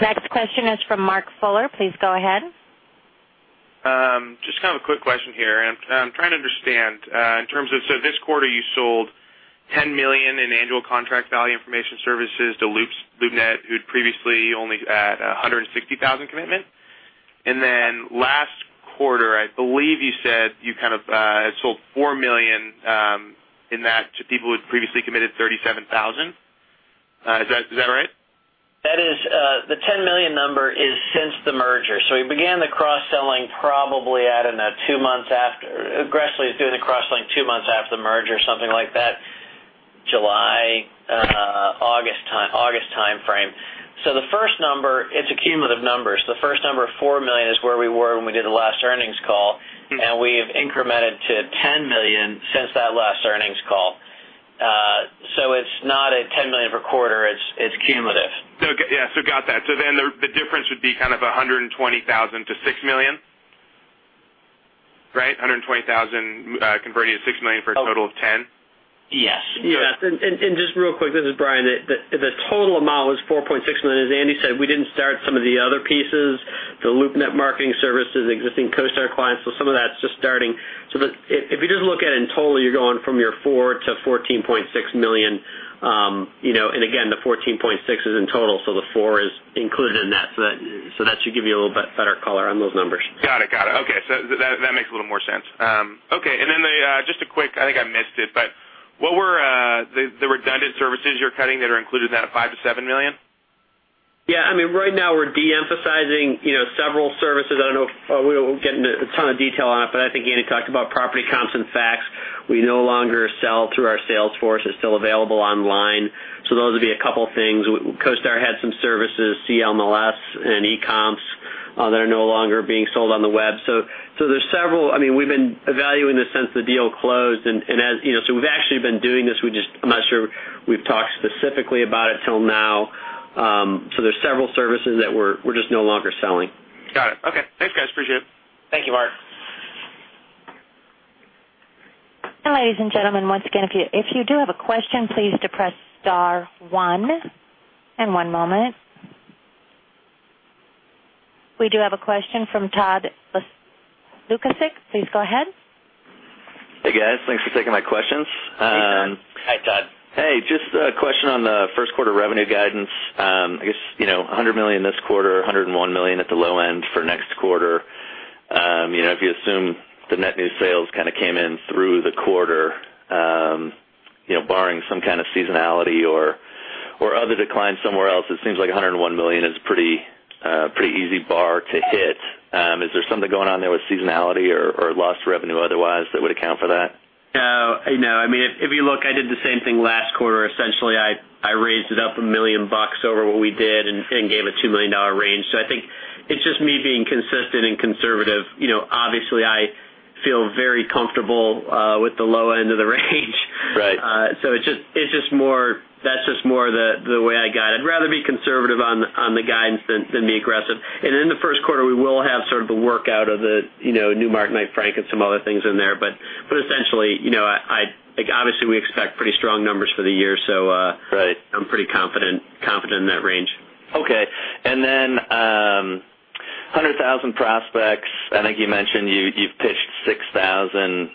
Next question is from Marc Sileo. Please go ahead. Just kind of a quick question here. I'm trying to understand in terms of, this quarter you sold $10 million in annual contract value information services to LoopNet, who had previously only had $160,000 commitment. Last quarter, I believe you said you kind of had sold $4 million in that to people who had previously committed $37,000. Is that right? The $10 million number is since the merger. We began the cross-selling probably, I don't know, aggressively was doing the cross-selling two months after the merger, something like that, July, August timeframe. The first number, it's a cumulative number. The first number of $4 million is where we were when we did the last earnings call, and we've incremented to $10 million since that last earnings call. It's not a $10 million per quarter. It's cumulative. Yes. Got that. The difference would be kind of $120,000 to $6 million, right? $120,000 converting to $6 million for a total of $10 million? Yes. Yes. Just real quick, this is Brian. The total amount was $4.6 million. As Andy said, we didn't start some of the other pieces, the LoopNet marketing services, existing CoStar clients. Some of that's just starting. If you just look at it in total, you're going from your $4 to $14.6 million. Again, the $14.6 million is in total, so the $4 is included in that. That should give you a little bit better color on those numbers. Got it. Okay. That makes a little more sense. Okay. Then just a quick, I think I missed it, but what were the redundant services you're cutting that are included in that $5 million-$7 million? Yeah. Right now we're de-emphasizing several services. I don't know if we'll get into a ton of detail on it, but I think Andy talked about Property Comps and Property Facts. We no longer sell through our sales force. It's still available online. Those would be a couple things. CoStar had some services, CoStar Commercial MLS and eComps, that are no longer being sold on the web. There's several. We've been evaluating this since the deal closed, we've actually been doing this. I'm not sure we've talked specifically about it till now. There's several services that we're just no longer selling. Got it. Okay. Thanks, guys. Appreciate it. Thank you, Mark. Ladies and gentlemen, once again, if you do have a question, please depress star one. One moment. We do have a question from Todd Lukasik. Please go ahead. Hey, guys. Thanks for taking my questions. Hey, Todd. Hi, Todd. Hey, just a question on the first quarter revenue guidance. I guess, $100 million this quarter, $101 million at the low end for next quarter. If you assume the net new sales kind of came in through the quarter, barring some kind of seasonality or other declines somewhere else, it seems like $101 million is a pretty easy bar to hit. Is there something going on there with seasonality or lost revenue otherwise that would account for that? No. If you look, I did the same thing last quarter. Essentially, I raised it up $1 million over what we did and gave a $2 million range. I think it's just me being consistent and conservative. Obviously, I feel very comfortable with the low end of the range. Right. That's just more the way I guide. I'd rather be conservative on the guidance than be aggressive. In the first quarter, we will have sort of the workout of the new Mark-to-Market and some other things in there. Essentially, obviously we expect pretty strong numbers for the year. Right. I'm pretty confident in that range. Okay. 100,000 prospects, I think you mentioned you've pitched 6,000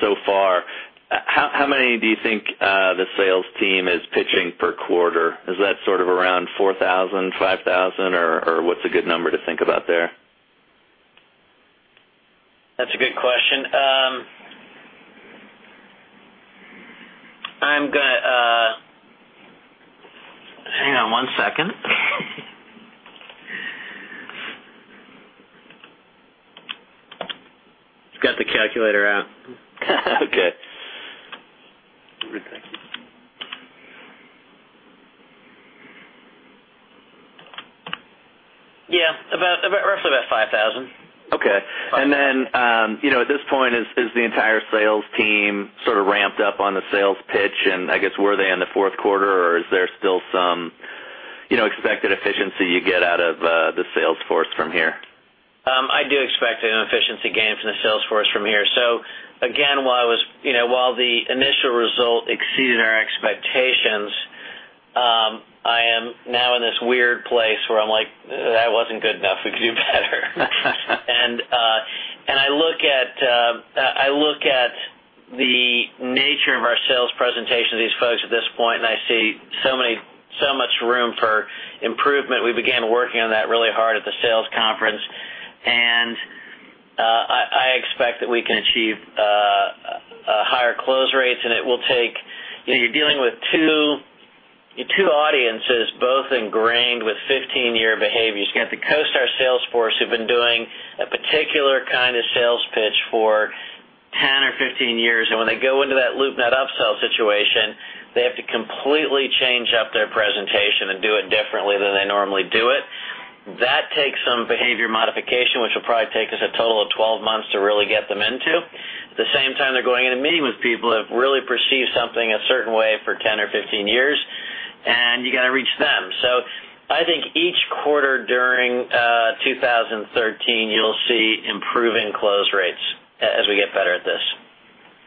so far. How many do you think the sales team is pitching per quarter? Is that sort of around 4,000, 5,000, or what's a good number to think about there? That's a good question. Hang on one second. He's got the calculator out. Okay. Roughly about 5,000. At this point, is the entire sales team sort of ramped up on the sales pitch, and I guess were they in the fourth quarter, or is there still some expected efficiency you get out of the sales force from here? I do expect an efficiency gain from the sales force from here. Again, while the initial result exceeded our expectations, I am now in this weird place where I'm like, "That wasn't good enough. We could do better." I look at the nature of our sales presentation to these folks at this point, and I see so much room for improvement. We began working on that really hard at the sales conference, and I expect that we can achieve higher close rates, and it will take. You're dealing with two audiences, both ingrained with 15-year behaviors. You have the CoStar sales force who've been doing a particular kind of sales pitch for 10 or 15 years, and when they go into that LoopNet upsell situation, they have to completely change up their presentation and do it differently than they normally do it. That takes some behavior modification, which will probably take us a total of 12 months to really get them into. At the same time, they're going into meeting with people who have really perceived something a certain way for 10 or 15 years, and you got to reach them. I think each quarter during 2013, you'll see improving close rates as we get better at this.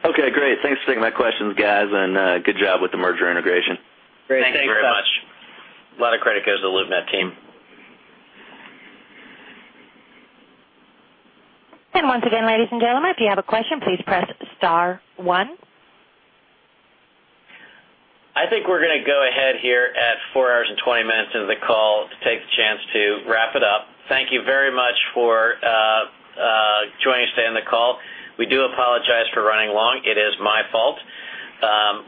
Okay, great. Thanks for taking my questions, guys, and good job with the merger integration. Great. Thanks so much. Thanks very much. A lot of credit goes to the LoopNet team. Once again, ladies and gentlemen, if you have a question, please press star one. I think we're going to go ahead here at four hours and 20 minutes into the call to take the chance to wrap it up. Thank you very much for joining us today on the call. We do apologize for running long. It is my fault.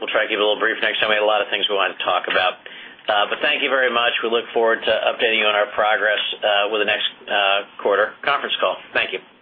We'll try to keep it a little brief next time. We had a lot of things we wanted to talk about. Thank you very much. We look forward to updating you on our progress with the next quarter conference call. Thank you.